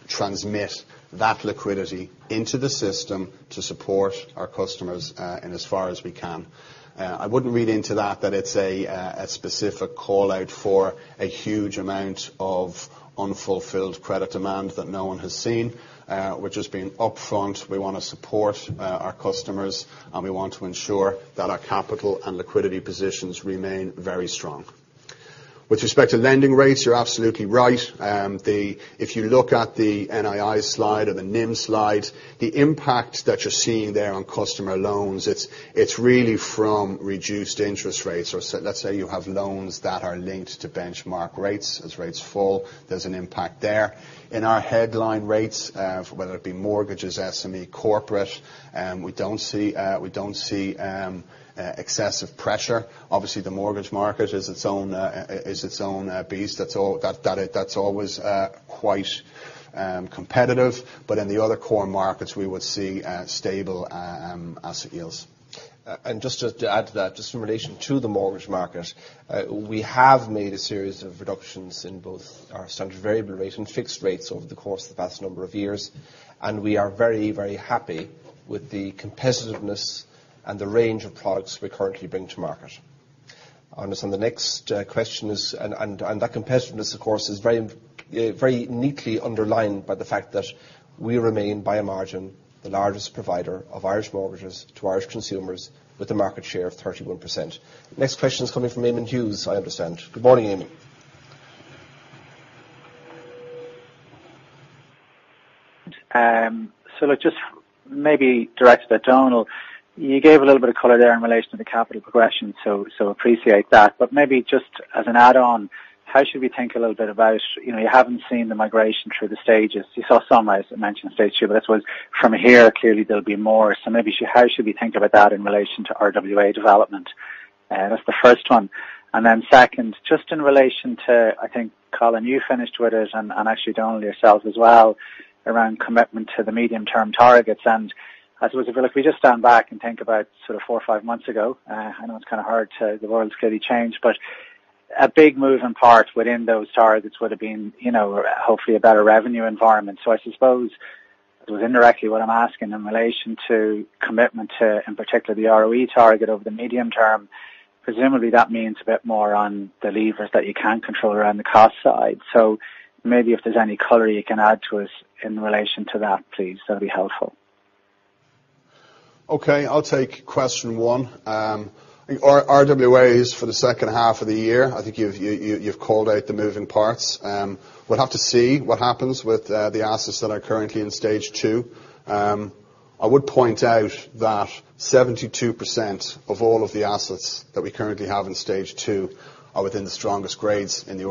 transmit that liquidity into the system to support our customers in as far as we can. I wouldn't read into that it's a specific call-out for a huge amount of unfulfilled credit demand that no one has seen. We're just being upfront. We want to support our customers, and we want to ensure that our capital and liquidity positions remain very strong. With respect to lending rates, you're absolutely right. If you look at the NII slide or the NIM slide, the impact that you're seeing there on customer loans, it's really from reduced interest rates. Let's say you have loans that are linked to benchmark rates. As rates fall, there's an impact there. In our headline rates, whether it be mortgages, SME, corporate, we don't see excessive pressure. Obviously, the mortgage market is its own beast. That's always quite competitive. In the other core markets, we would see stable asset yields. Just to add to that, just in relation to the mortgage market, we have made a series of reductions in both our standard variable rate and fixed rates over the course of the past number of years, and we are very, very happy with the competitiveness and the range of products we currently bring to market. That competitiveness, of course, is very neatly underlined by the fact that we remain, by a margin, the largest provider of Irish mortgages to Irish consumers with a market share of 31%. Next question is coming from Eamonn Hughes, I understand. Good morning, Eamonn. Look, just maybe directed at Donal, you gave a little bit of color there in relation to the capital progression, appreciate that. Maybe just as an add-on, how should we think a little bit about, you haven't seen the migration through the stages. You saw some, as I mentioned, Stage 2, from here, clearly, there'll be more. Maybe how should we think about that in relation to RWA development? That's the first one. Second, just in relation to, I think, Colin, you finished with it, and actually, Donal, yourselves as well, around commitment to the medium-term targets. I suppose if we just stand back and think about four or five months ago, I know it's kind of hard to, the world's clearly changed, a big moving part within those targets would've been hopefully a better revenue environment. I suppose, sort of indirectly what I'm asking in relation to commitment to, in particular, the ROE target over the medium term, presumably that means a bit more on the levers that you can control around the cost side. Maybe if there's any color you can add to us in relation to that, please, that would be helpful? Okay, I'll take question one. Our RWAs for the second half of the year, I think you've called out the moving parts. We'll have to see what happens with the assets that are currently in Stage 2. I would point out that 72% of all of the assets that we currently have in Stage 2 are within the strongest grades in the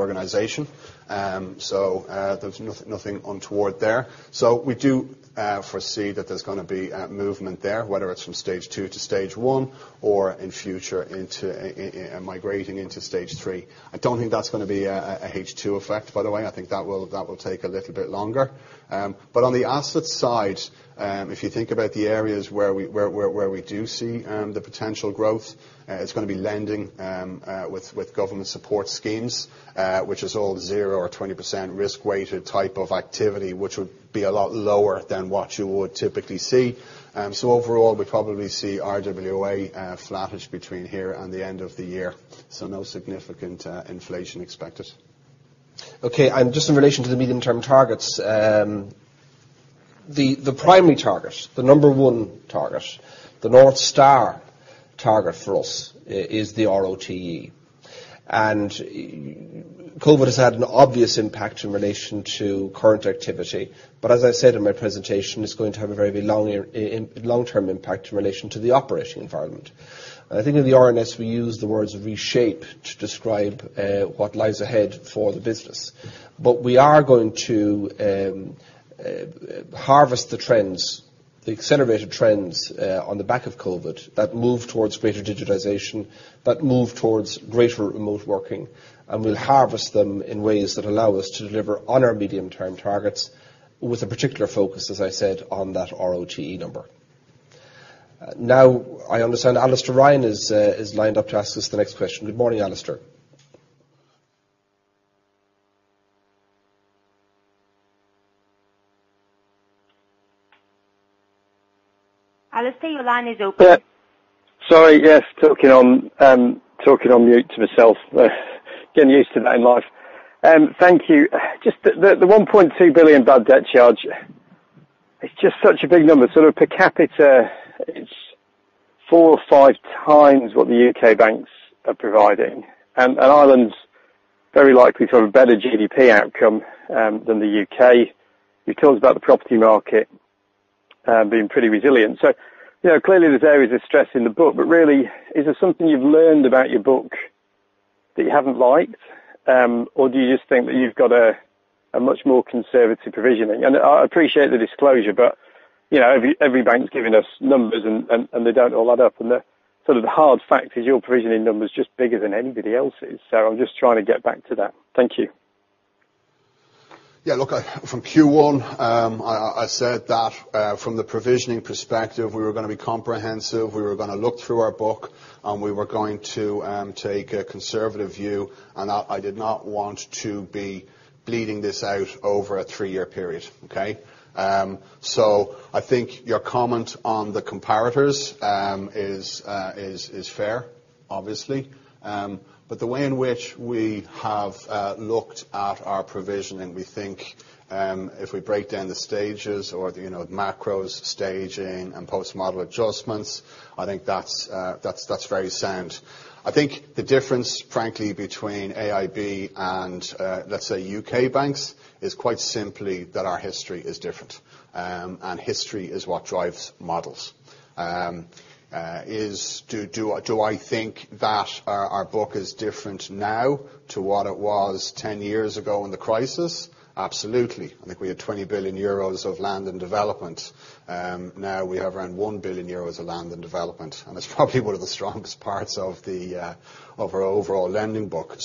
organization. There's nothing untoward there. We do foresee that there's going to be movement there, whether it's from Stage 2 to Stage 1 or in future migrating into Stage 3. I don't think that's going to be a H2 effect, by the way. I think that will take a little bit longer. On the asset side, if you think about the areas where we do see the potential growth, it's going to be lending with government support schemes, which is all 0% or 20% risk-weighted type of activity, which would be a lot lower than what you would typically see. Overall, we probably see RWA flattish between here and the end of the year. No significant inflation expected. Okay. Just in relation to the medium-term targets, the primary target, the number one target, the North Star target for us is the ROTE, and COVID has had an obvious impact in relation to current activity. As I said in my presentation, it's going to have a very long-term impact in relation to the operating environment. I think in the RNS, we use the words reshape to describe what lies ahead for the business. We are going to harvest the trends, the accelerated trends on the back of COVID that move towards greater digitization, that move towards greater remote working, and we'll harvest them in ways that allow us to deliver on our medium-term targets with a particular focus, as I said, on that ROTE number. I understand Alastair Ryan is lined up to ask us the next question. Good morning, Alastair. Alastair, your line is open. Yeah. Sorry, yes, talking on mute to myself. Getting used to that in life. Thank you. Just the 1.2 billion bad debt charge, it's just such a big number. Sort of per capita, it's 4x or 5x what the U.K. banks are providing. Ireland's very likely to have a better GDP outcome than the U.K. You told us about the property market being pretty resilient. Clearly there's areas of stress in the book, but really, is there something you've learned about your book that you haven't liked? Do you just think that you've got a much more conservative provisioning? I appreciate the disclosure, but every bank's giving us numbers, and they don't all add up, and the hard fact is your provisioning number is just bigger than anybody else's. I'm just trying to get back to that. Thank you. Yeah, look, from Q1, I said that from the provisioning perspective, we were going to be comprehensive, we were going to look through our book, and we were going to take a conservative view, and I did not want to be bleeding this out over a three-year period. Okay? I think your comment on the comparators is fair, obviously. The way in which we have looked at our provisioning, we think if we break down the stages or the macro staging and post-model adjustments, I think that's very sound. I think the difference, frankly, between AIB and let's say, U.K. banks, is quite simply that our history is different. History is what drives models. Do I think that our book is different now to what it was 10 years ago in the crisis? Absolutely. I think we had 20 billion euros of land in development. Now we have around 1 billion euros of land in development, and it's probably one of the strongest parts of our overall lending book.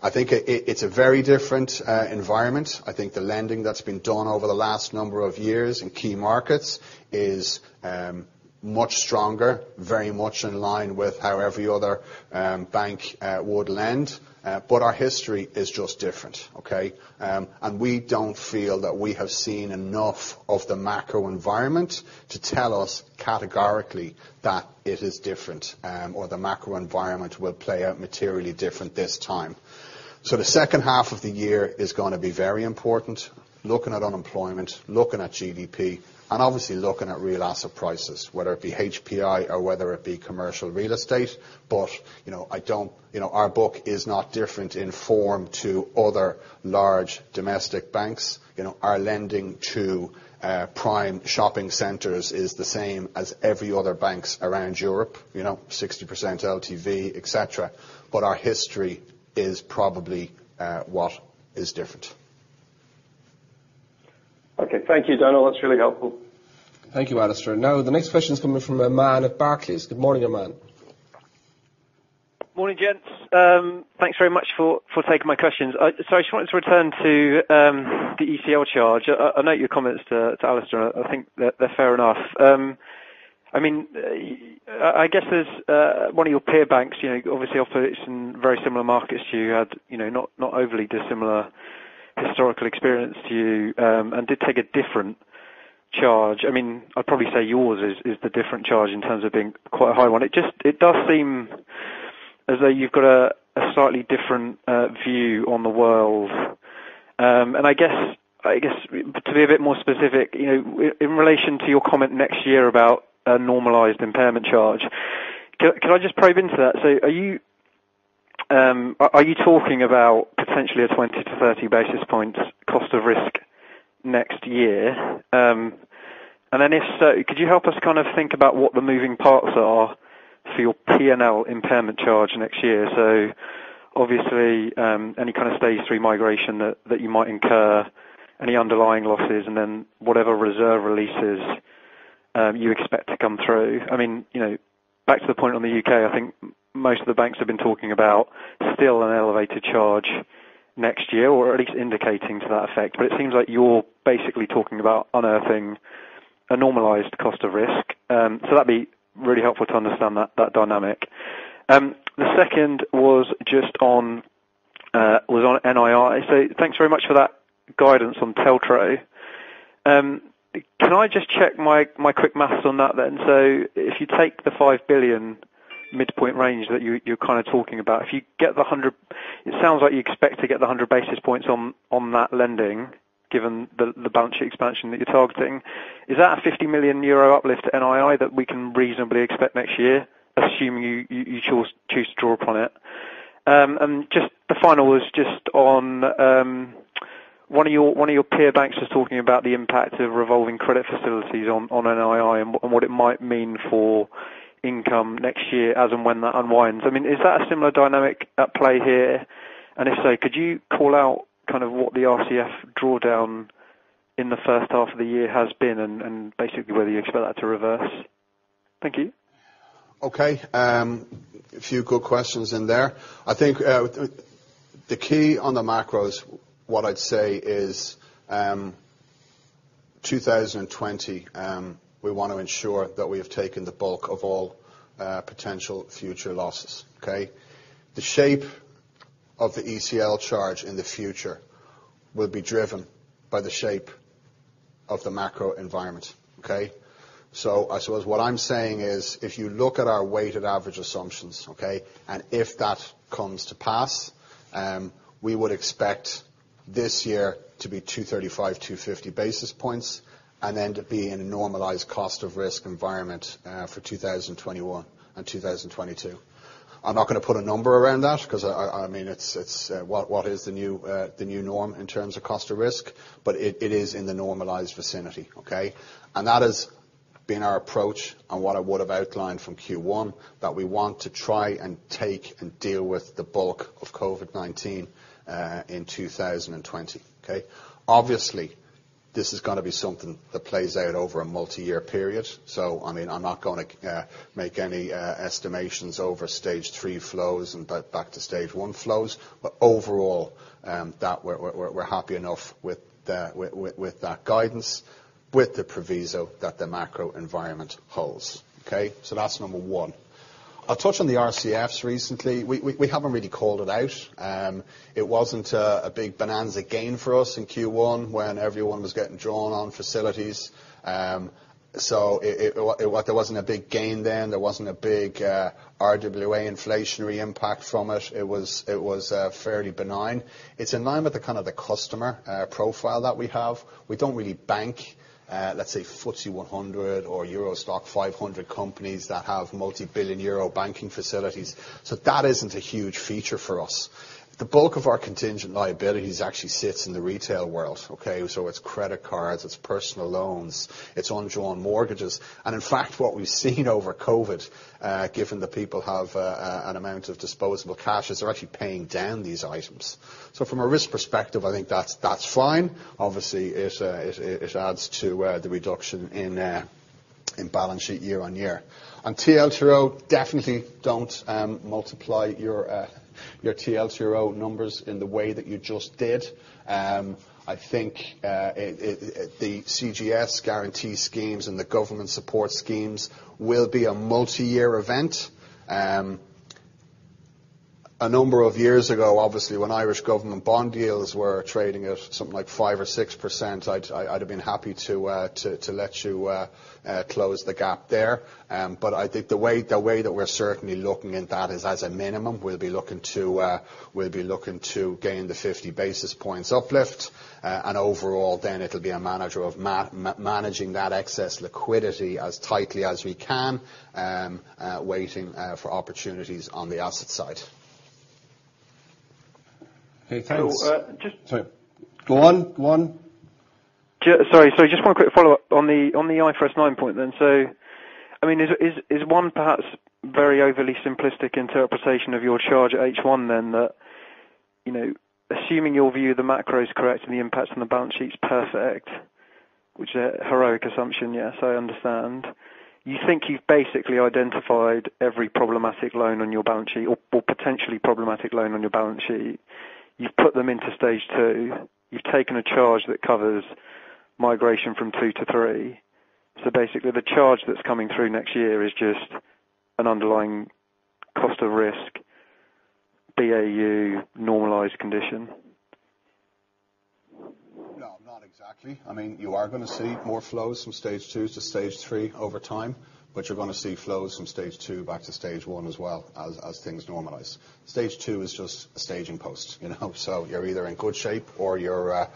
I think it's a very different environment. I think the lending that's been done over the last number of years in key markets is much stronger, very much in line with how every other bank would lend. Our history is just different. Okay? We don't feel that we have seen enough of the macro environment to tell us categorically that it is different, or the macro environment will play out materially different this time. The second half of the year is going to be very important, looking at unemployment, looking at GDP, and obviously looking at real asset prices, whether it be HPI or whether it be commercial real estate. Our book is not different in form to other large domestic banks. Our lending to prime shopping centers is the same as every other banks around Europe, 60% LTV, et cetera. Our history is probably what is different. Okay. Thank you, Donal. That's really helpful. Thank you, Alastair. The next question is coming from Aman at Barclays. Good morning, Aman. Morning, gents. Thanks very much for taking my questions. I just wanted to return to the ECL charge. I note your comments to Alastair, and I think that they're fair enough. I guess as one of your peer banks, obviously operates in very similar markets to you, had not overly dissimilar historical experience to you, and did take a different charge. I'd probably say yours is the different charge in terms of being quite a high one. It does seem as though you've got a slightly different view on the world. I guess, to be a bit more specific, in relation to your comment next year about a normalized impairment charge, can I just probe into that? Are you talking about potentially a 20-30 basis point cost of risk next year? If so, could you help us think about what the moving parts are for your P&L impairment charge next year? Obviously, any kind of Stage 3 migration that you might incur, any underlying losses, and whatever reserve releases you expect to come through. Back to the point on the U.K., I think most of the banks have been talking about still an elevated charge next year, or at least indicating to that effect. It seems like you're basically talking about unearthing a normalized cost of risk. That'd be really helpful to understand that dynamic. The second was just on NII. Thanks very much for that guidance on TLTRO. Can I just check my quick maths on that then? If you take the 5 billion midpoint range that you're kind of talking about, it sounds like you expect to get the 100 basis points on that lending, given the balance sheet expansion that you're targeting. Is that a 50 million euro uplift to NII that we can reasonably expect next year, assuming you choose to draw upon it? The final was just on one of your peer banks was talking about the impact of revolving credit facilities on NII and what it might mean for income next year as and when that unwinds. Is that a similar dynamic at play here? If so, could you call out what the RCF drawdown in the first half of the year has been, and basically whether you expect that to reverse? Thank you. Okay. A few good questions in there. I think the key on the macro is what I'd say is 2020, we want to ensure that we have taken the bulk of all potential future losses. Okay. The shape of the ECL charge in the future will be driven by the shape of the macro environment. Okay. I suppose what I'm saying is, if you look at our weighted average assumptions, okay, and if that comes to pass, we would expect this year to be 235-250 basis points, and then to be in a normalized cost of risk environment for 2021 and 2022. I'm not going to put a number around that because what is the new norm in terms of cost of risk, but it is in the normalized vicinity. Okay. That has been our approach, and what I would have outlined from Q1, that we want to try and take and deal with the bulk of COVID-19 in 2020. Okay? Obviously, this is going to be something that plays out over a multi-year period. I'm not going to make any estimations over Stage 3 flows and back to Stage 1 flows. Overall, we're happy enough with that guidance, with the proviso that the macro environment holds. Okay? That's number 1. I'll touch on the RCFs recently. We haven't really called it out. It wasn't a big bonanza gain for us in Q1 when everyone was getting drawn on facilities. There wasn't a big gain then. There wasn't a big RWA inflationary impact from it. It was fairly benign. It's in line with the kind of the customer profile that we have. We don't really bank, let's say FTSE 100 or EURO STOXX 500 companies that have multi-billion EUR banking facilities. That isn't a huge feature for us. The bulk of our contingent liabilities actually sits in the retail world, okay? It's credit cards, it's personal loans, it's undrawn mortgages. In fact, what we've seen over COVID, given that people have an amount of disposable cash, is they're actually paying down these items. From a risk perspective, I think that's fine. Obviously, it adds to the reduction in balance sheet year-on-year. On TLTRO, definitely don't multiply your TLTRO numbers in the way that you just did. I think the CGS guarantee schemes and the government support schemes will be a multi-year event. A number of years ago, obviously, when Irish government bond deals were trading at something like 5% or 6%, I'd have been happy to let you close the gap there. I think the way that we're certainly looking at that is as a minimum, we'll be looking to gain the 50 basis points uplift. Overall, then it'll be managing that excess liquidity as tightly as we can, waiting for opportunities on the asset side. Okay, thanks. Cool. Sorry. Go on. Sorry. Just one quick follow-up on the IFRS 9 point then. Is one perhaps very overly simplistic interpretation of your charge H1 then that assuming your view of the macro is correct and the impacts on the balance sheet's perfect, which heroic assumption, yes, I understand, you think you've basically identified every problematic loan on your balance sheet, or potentially problematic loan on your balance sheet. You've put them into Stage 2. You've taken a charge that covers migration from 2 to 3. Basically, the charge that's coming through next year is just an underlying cost of risk, BAU normalized condition? No, not exactly. You are going to see more flows from Stage 2 to Stage 3 over time, but you're going to see flows from Stage 2 back to Stage 1 as well, as things normalize. Stage 2 is just a staging post. You're either in good shape or you're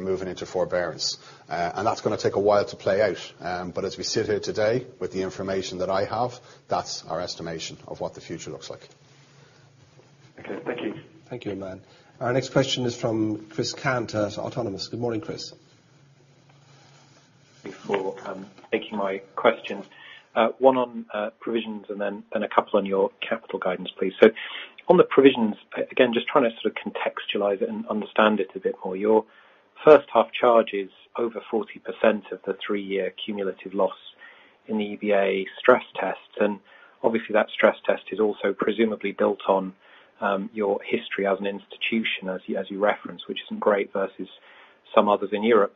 moving into forbearance. That's going to take a while to play out. As we sit here today with the information that I have, that's our estimation of what the future looks like. Okay, thank you. Thank you, Aman. Our next question is from Chris Cant at Autonomous. Good morning, Chris. Before taking my questions, one on provisions and then a couple on your capital guidance, please. On the provisions, again, just trying to sort of contextualize it and understand it a bit more. Your first half charge is over 40% of the 3-year cumulative loss in the EBA stress tests, and obviously that stress test is also presumably built on your history as an institution, as you referenced, which isn't great versus some others in Europe.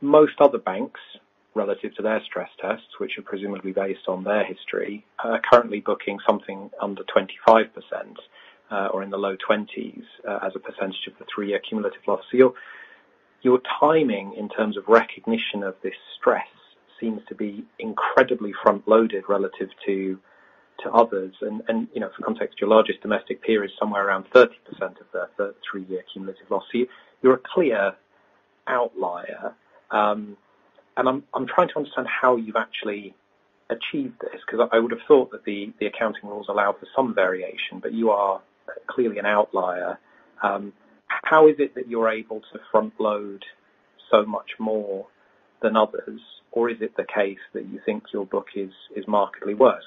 Most other banks, relative to their stress tests, which are presumably based on their history, are currently booking something under 25% or in the low 20s as a percentage of the 3-year cumulative loss. For context, your largest domestic peer is somewhere around 30% of the 3-year cumulative loss. You're a clear outlier. I'm trying to understand how you've actually achieved this, because I would have thought that the accounting rules allow for some variation, but you are clearly an outlier. How is it that you're able to front-load so much more than others? Is it the case that you think your book is markedly worse?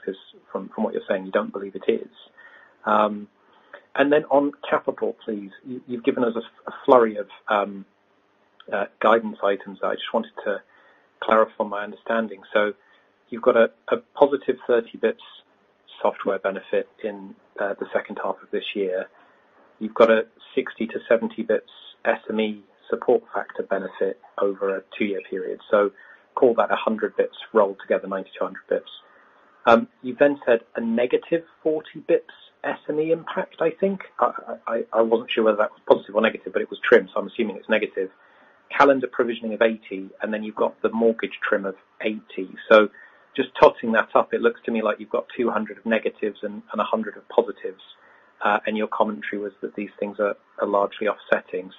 From what you're saying, you don't believe it is. On capital, please, you've given us a flurry of guidance items that I just wanted to clarify my understanding. You've got a +30 basis points software benefit in the second half of this year. You've got a 60-70 basis points SME Supporting Factor benefit over a two-year period. Call that 100 basis points rolled together, 90-100 basis points. You then said a -40 basis points SME impact, I think. I wasn't sure whether that was positive or negative, but it was TRIM, so I'm assuming it's negative. Calendar provisioning of 80 basis points, and then you've got the mortgage TRIM of 80 basis points. Just totting that up, it looks to me like you've got 200 of negatives and 100 of positive. Your commentary was that these things are largely offsetting.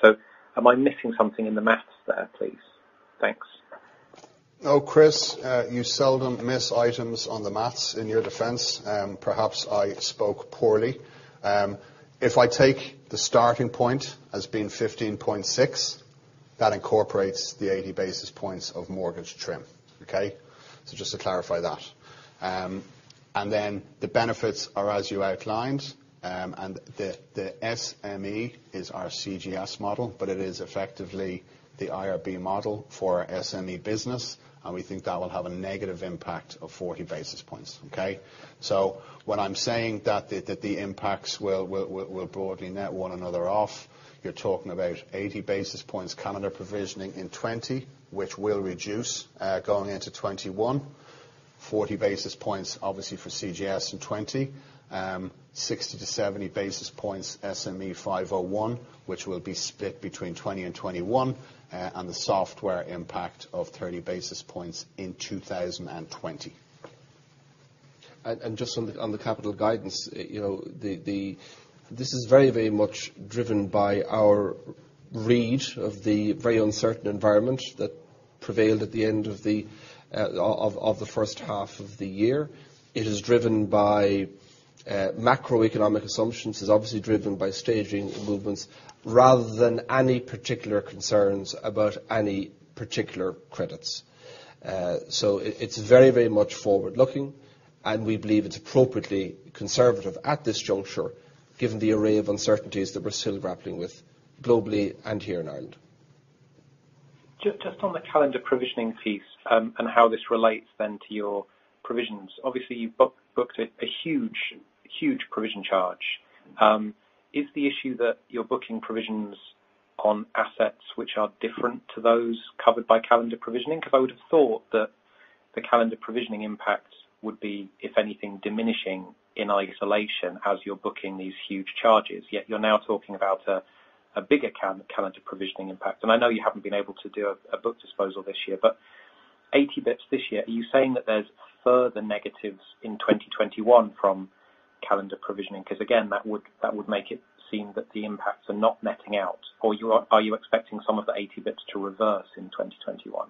Am I missing something in the math there, please? Thanks. Chris, you seldom miss items on the math in your defense. Perhaps I spoke poorly. If I take the starting point as being 15.6, that incorporates the 80 basis points of mortgage TRIM. Just to clarify that. The benefits are as you outlined, the SME is our CGS model, but it is effectively the IRB model for our SME business, and we think that will have a negative impact of 40 basis points. When I'm saying that the impacts will broadly net one another off, you're talking about 80 basis points calendar provisioning in 20, which will reduce going into 21, 40 basis points obviously for CGS in 20, 60-70 basis points SME 501, which will be split between 20 and 21, and the software impact of 30 basis points in 2020. Just on the capital guidance, this is very much driven by our read of the very uncertain environment that prevailed at the end of the first half of the year. It is driven by macroeconomic assumptions. It's obviously driven by staging movements rather than any particular concerns about any particular credits. So it's very much forward-looking, and we believe it's appropriately conservative at this juncture, given the array of uncertainties that we're still grappling with globally and here in Ireland. Just on the calendar provisioning piece and how this relates then to your provisions, obviously you've booked a huge provision charge. Is the issue that you're booking provisions on assets which are different to those covered by calendar provisioning? I would have thought that the calendar provisioning impact would be, if anything, diminishing in isolation as you're booking these huge charges. Yet you're now talking about a bigger calendar provisioning impact. I know you haven't been able to do a book disposal this year, but 80 basis points this year, are you saying that there's further negatives in 2021 from calendar provisioning? Again, that would make it seem that the impacts are not netting out. Are you expecting some of the 80 basis points to reverse in 2021?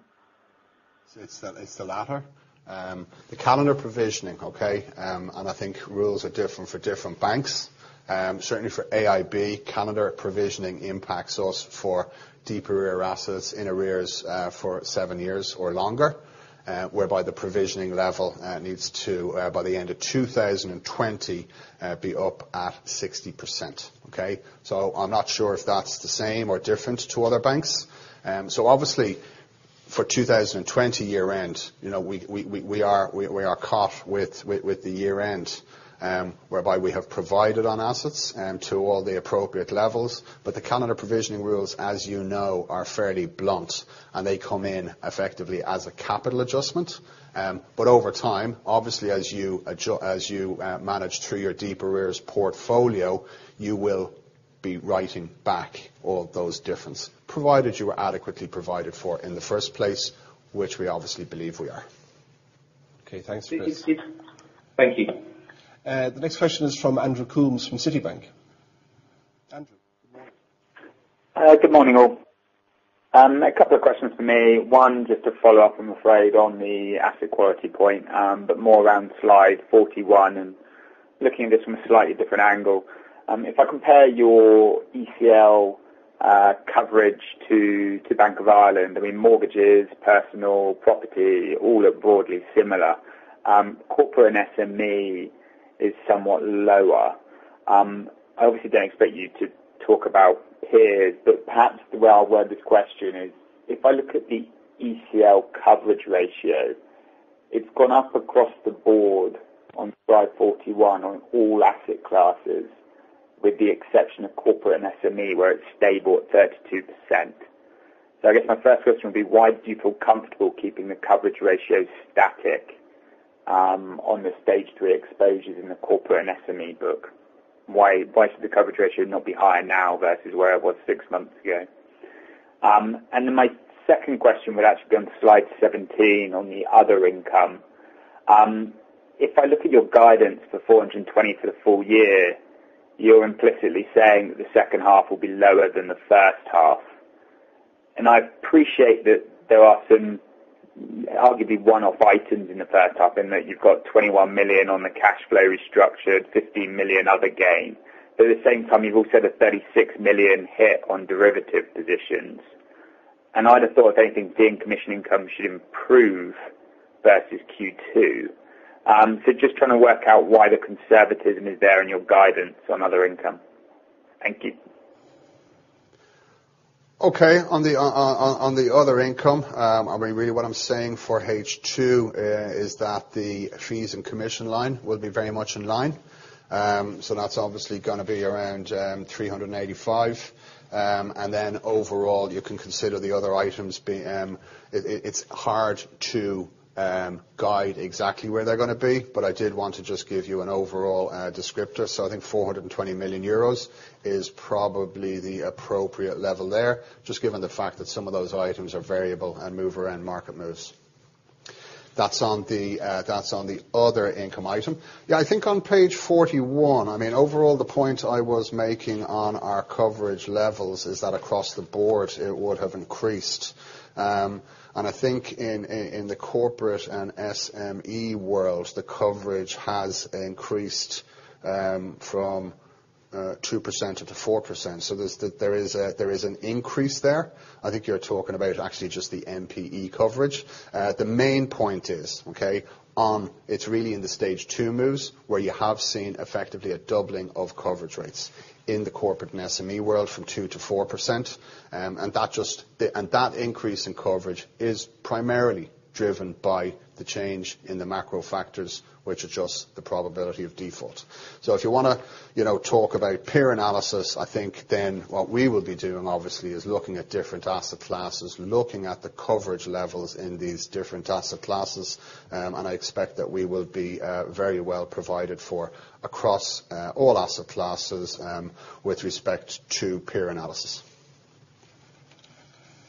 It's the latter. The calendar provisioning, and I think rules are different for different banks. Certainly for AIB, calendar provisioning impacts us for deep arrears assets, in arrears for seven years or longer, whereby the provisioning level needs to, by the end of 2020, be up at 60%. Okay. I'm not sure if that's the same or different to other banks. Obviously, for 2020 year-end, we are caught with the year-end, whereby we have provided on assets to all the appropriate levels. The calendar provisioning rules, as you know, are fairly blunt, and they come in effectively as a capital adjustment. Over time, obviously, as you manage through your deep arrears portfolio, you will be writing back all those difference, provided you were adequately provided for in the first place, which we obviously believe we are. Okay. Thanks, Chris. Thank you. The next question is from Andrew Coombs from Citibank. Andrew, good morning. Good morning, all. A couple of questions from me. One, just to follow up, I'm afraid, on the asset quality point, but more around slide 41 and looking at this from a slightly different angle. If I compare your ECL coverage to Bank of Ireland, I mean, mortgages, personal, property, all look broadly similar. Corporate and SME is somewhat lower. I obviously don't expect you to talk about peers, but perhaps the way I'll word this question is, if I look at the ECL coverage ratio, it's gone up across the board on slide 41 on all asset classes, with the exception of corporate and SME, where it's stable at 32%. I guess my first question would be, why do you feel comfortable keeping the coverage ratio static on the Stage 3 exposures in the corporate and SME book? Why should the coverage ratio not be higher now versus where it was six months ago? My second question would actually be on slide 17 on the other income. If I look at your guidance for 420 for the full year, you're implicitly saying that the second half will be lower than the first half. I appreciate that there are some arguably one-off items in the first half, in that you've got 21 million on the cash flow restructured, 15 million other gain. At the same time, you've also had a 36 million hit on derivative positions. I'd have thought, if anything, fee and commission income should improve versus Q2. Just trying to work out why the conservatism is there in your guidance on other income. Thank you. Okay, on the other income, really what I'm saying for H2 is that the fees and commission line will be very much in line. That's obviously going to be around 385. Overall, you can consider the other items. It's hard to guide exactly where they're going to be, but I did want to just give you an overall descriptor. I think 420 million euros is probably the appropriate level there, just given the fact that some of those items are variable and move around market moves. That's on the other income item. Yeah, I think on page 41, overall, the point I was making on our coverage levels is that across the board, it would have increased. I think in the corporate and SME world, the coverage has increased from 2% up to 4%. There is an increase there. I think you're talking about actually just the NPE coverage. The main point is, okay, it's really in the Stage 2 moves where you have seen effectively a doubling of coverage rates in the corporate and SME world from 2% to 4%. That increase in coverage is primarily driven by the change in the macro factors, which adjusts the probability of default. If you want to talk about peer analysis, I think then what we will be doing, obviously, is looking at different asset classes, looking at the coverage levels in these different asset classes, and I expect that we will be very well provided for across all asset classes with respect to peer analysis.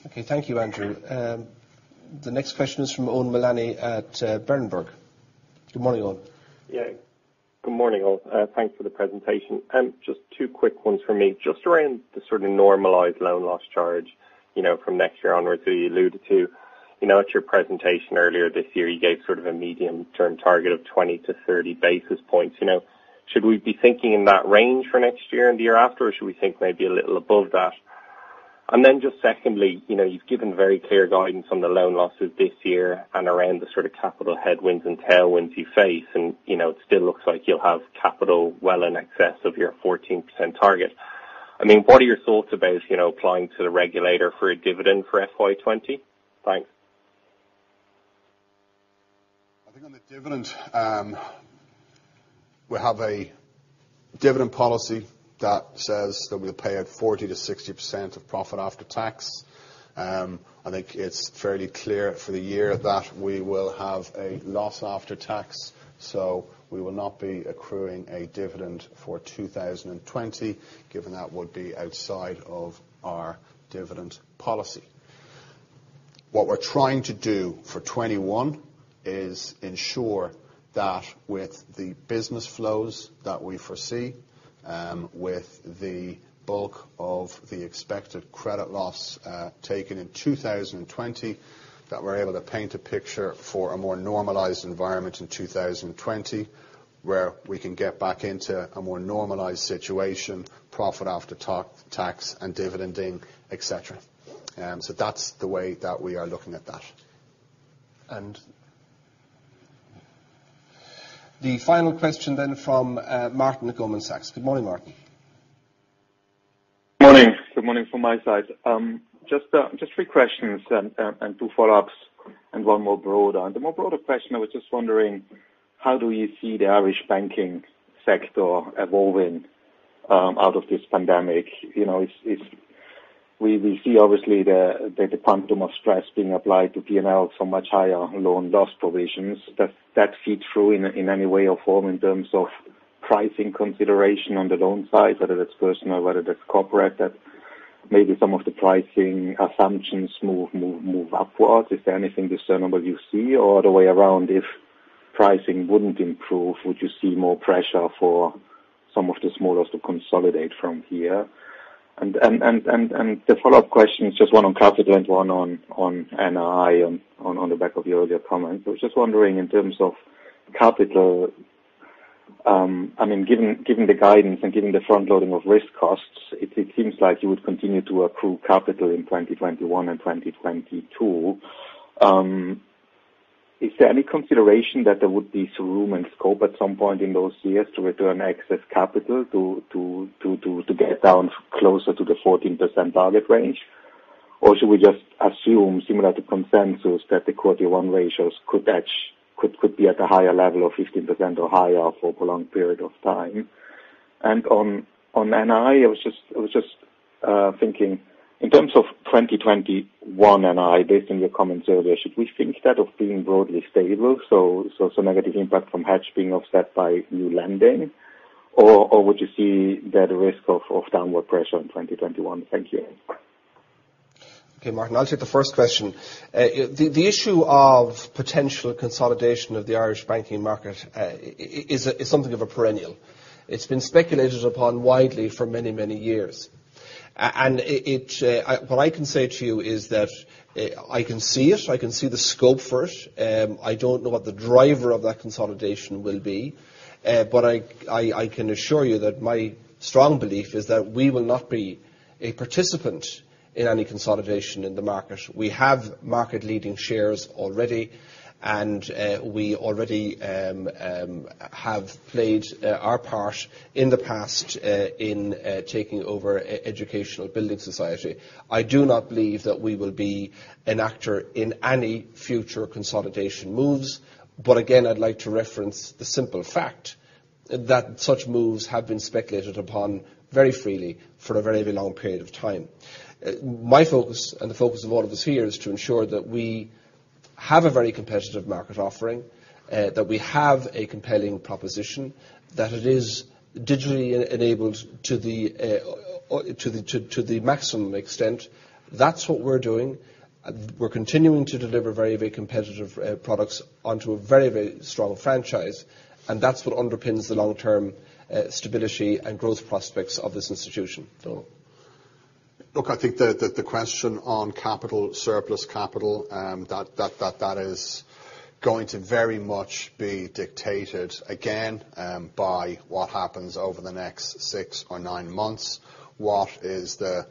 Okay, thank you, Andrew. The next question is from Eoin Mullany at Berenberg. Good morning, Eoin. Good morning all. Thanks for the presentation. Two quick ones from me. Around the sort of normalized loan loss charge from next year onwards that you alluded to. At your presentation earlier this year, you gave sort of a medium-term target of 20-30 basis points. Should we be thinking in that range for next year and the year after, or should we think maybe a little above that? Secondly, you've given very clear guidance on the loan losses this year and around the sort of capital headwinds and tailwinds you face, and it still looks like you'll have capital well in excess of your 14% target. What are your thoughts about applying to the regulator for a dividend for FY 2020? Thanks. I think on the dividend, we have a dividend policy that says that we'll pay out 40%-60% of profit after tax. I think it's fairly clear for the year that we will have a loss after tax, so we will not be accruing a dividend for 2020, given that would be outside of our dividend policy. What we're trying to do for 2021 is ensure that with the business flows that we foresee, with the bulk of the expected credit loss taken in 2020, that we're able to paint a picture for a more normalized environment in 2020, where we can get back into a more normalized situation, profit after tax, and dividending, et cetera. That's the way that we are looking at that. The final question then from Martin at Goldman Sachs. Good morning, Martin. Morning. Good morning from my side. Just three questions and two follow-ups and one more broad. The more broader question, I was just wondering, how do you see the Irish banking sector evolving out of this pandemic? We see, obviously, the quantum of stress being applied to P&L, so much higher loan loss provisions. Does that feed through in any way or form in terms of pricing consideration on the loan side, whether that's personal, whether that's corporate, that maybe some of the pricing assumptions move upwards? Is there anything discernible you see? Or the other way around, if pricing wouldn't improve, would you see more pressure for some of the smaller to consolidate from here? The follow-up question is just one on capital and one on NII on the back of your earlier comment. I was just wondering in terms of capital, given the guidance and given the front-loading of risk costs, it seems like you would continue to accrue capital in 2021 and 2022. Is there any consideration that there would be some room and scope at some point in those years to return excess capital to get down closer to the 14% target range? Should we just assume, similar to consensus, that the quarter one ratios could be at a higher level of 15% or higher for a prolonged period of time? On NII, I was just thinking in terms of 2021 NII, based on your comments earlier, should we think that of being broadly stable, so some negative impact from hedge being offset by new lending? Would you see the risk of downward pressure in 2021? Thank you. Okay, Martin, I'll take the first question. The issue of potential consolidation of the Irish banking market is something of a perennial. It's been speculated upon widely for many, many years. What I can say to you is that I can see it, I can see the scope for it. I don't know what the driver of that consolidation will be. I can assure you that my strong belief is that we will not be a participant in any consolidation in the market. We have market leading shares already, and we already have played our part in the past in taking over Educational Building Society. I do not believe that we will be an actor in any future consolidation moves. Again, I'd like to reference the simple fact that such moves have been speculated upon very freely for a very, very long period of time. My focus and the focus of all of us here is to ensure that we have a very competitive market offering, that we have a compelling proposition, that it is digitally enabled to the maximum extent. That's what we're doing. We're continuing to deliver very, very competitive products onto a very, very strong franchise, and that's what underpins the long-term stability and growth prospects of this institution. Donal. Look, I think the question on capital, surplus capital, that is going to very much be dictated again by what happens over the next six or nine months. What is the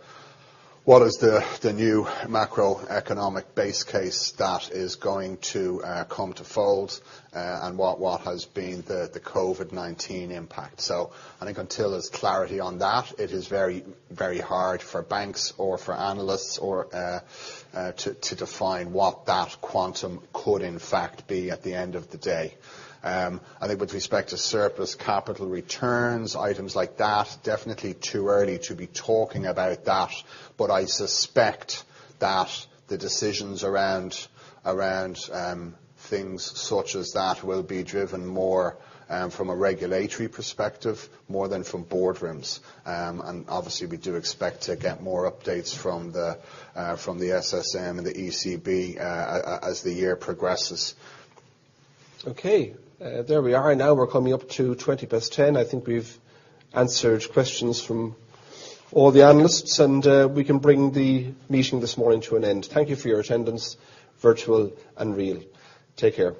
new macroeconomic base case that is going to come to fold, and what has been the COVID-19 impact? I think until there's clarity on that, it is very hard for banks or for analysts to define what that quantum could in fact be at the end of the day. I think with respect to surplus capital returns, items like that, definitely too early to be talking about that. I suspect that the decisions around things such as that will be driven more from a regulatory perspective more than from boardrooms. Obviously, we do expect to get more updates from the SSM and the ECB as the year progresses. Okay. There we are. Now we're coming up to 10:20. I think we've answered questions from all the analysts, and we can bring the meeting this morning to an end. Thank you for your attendance, virtual and real. Take care.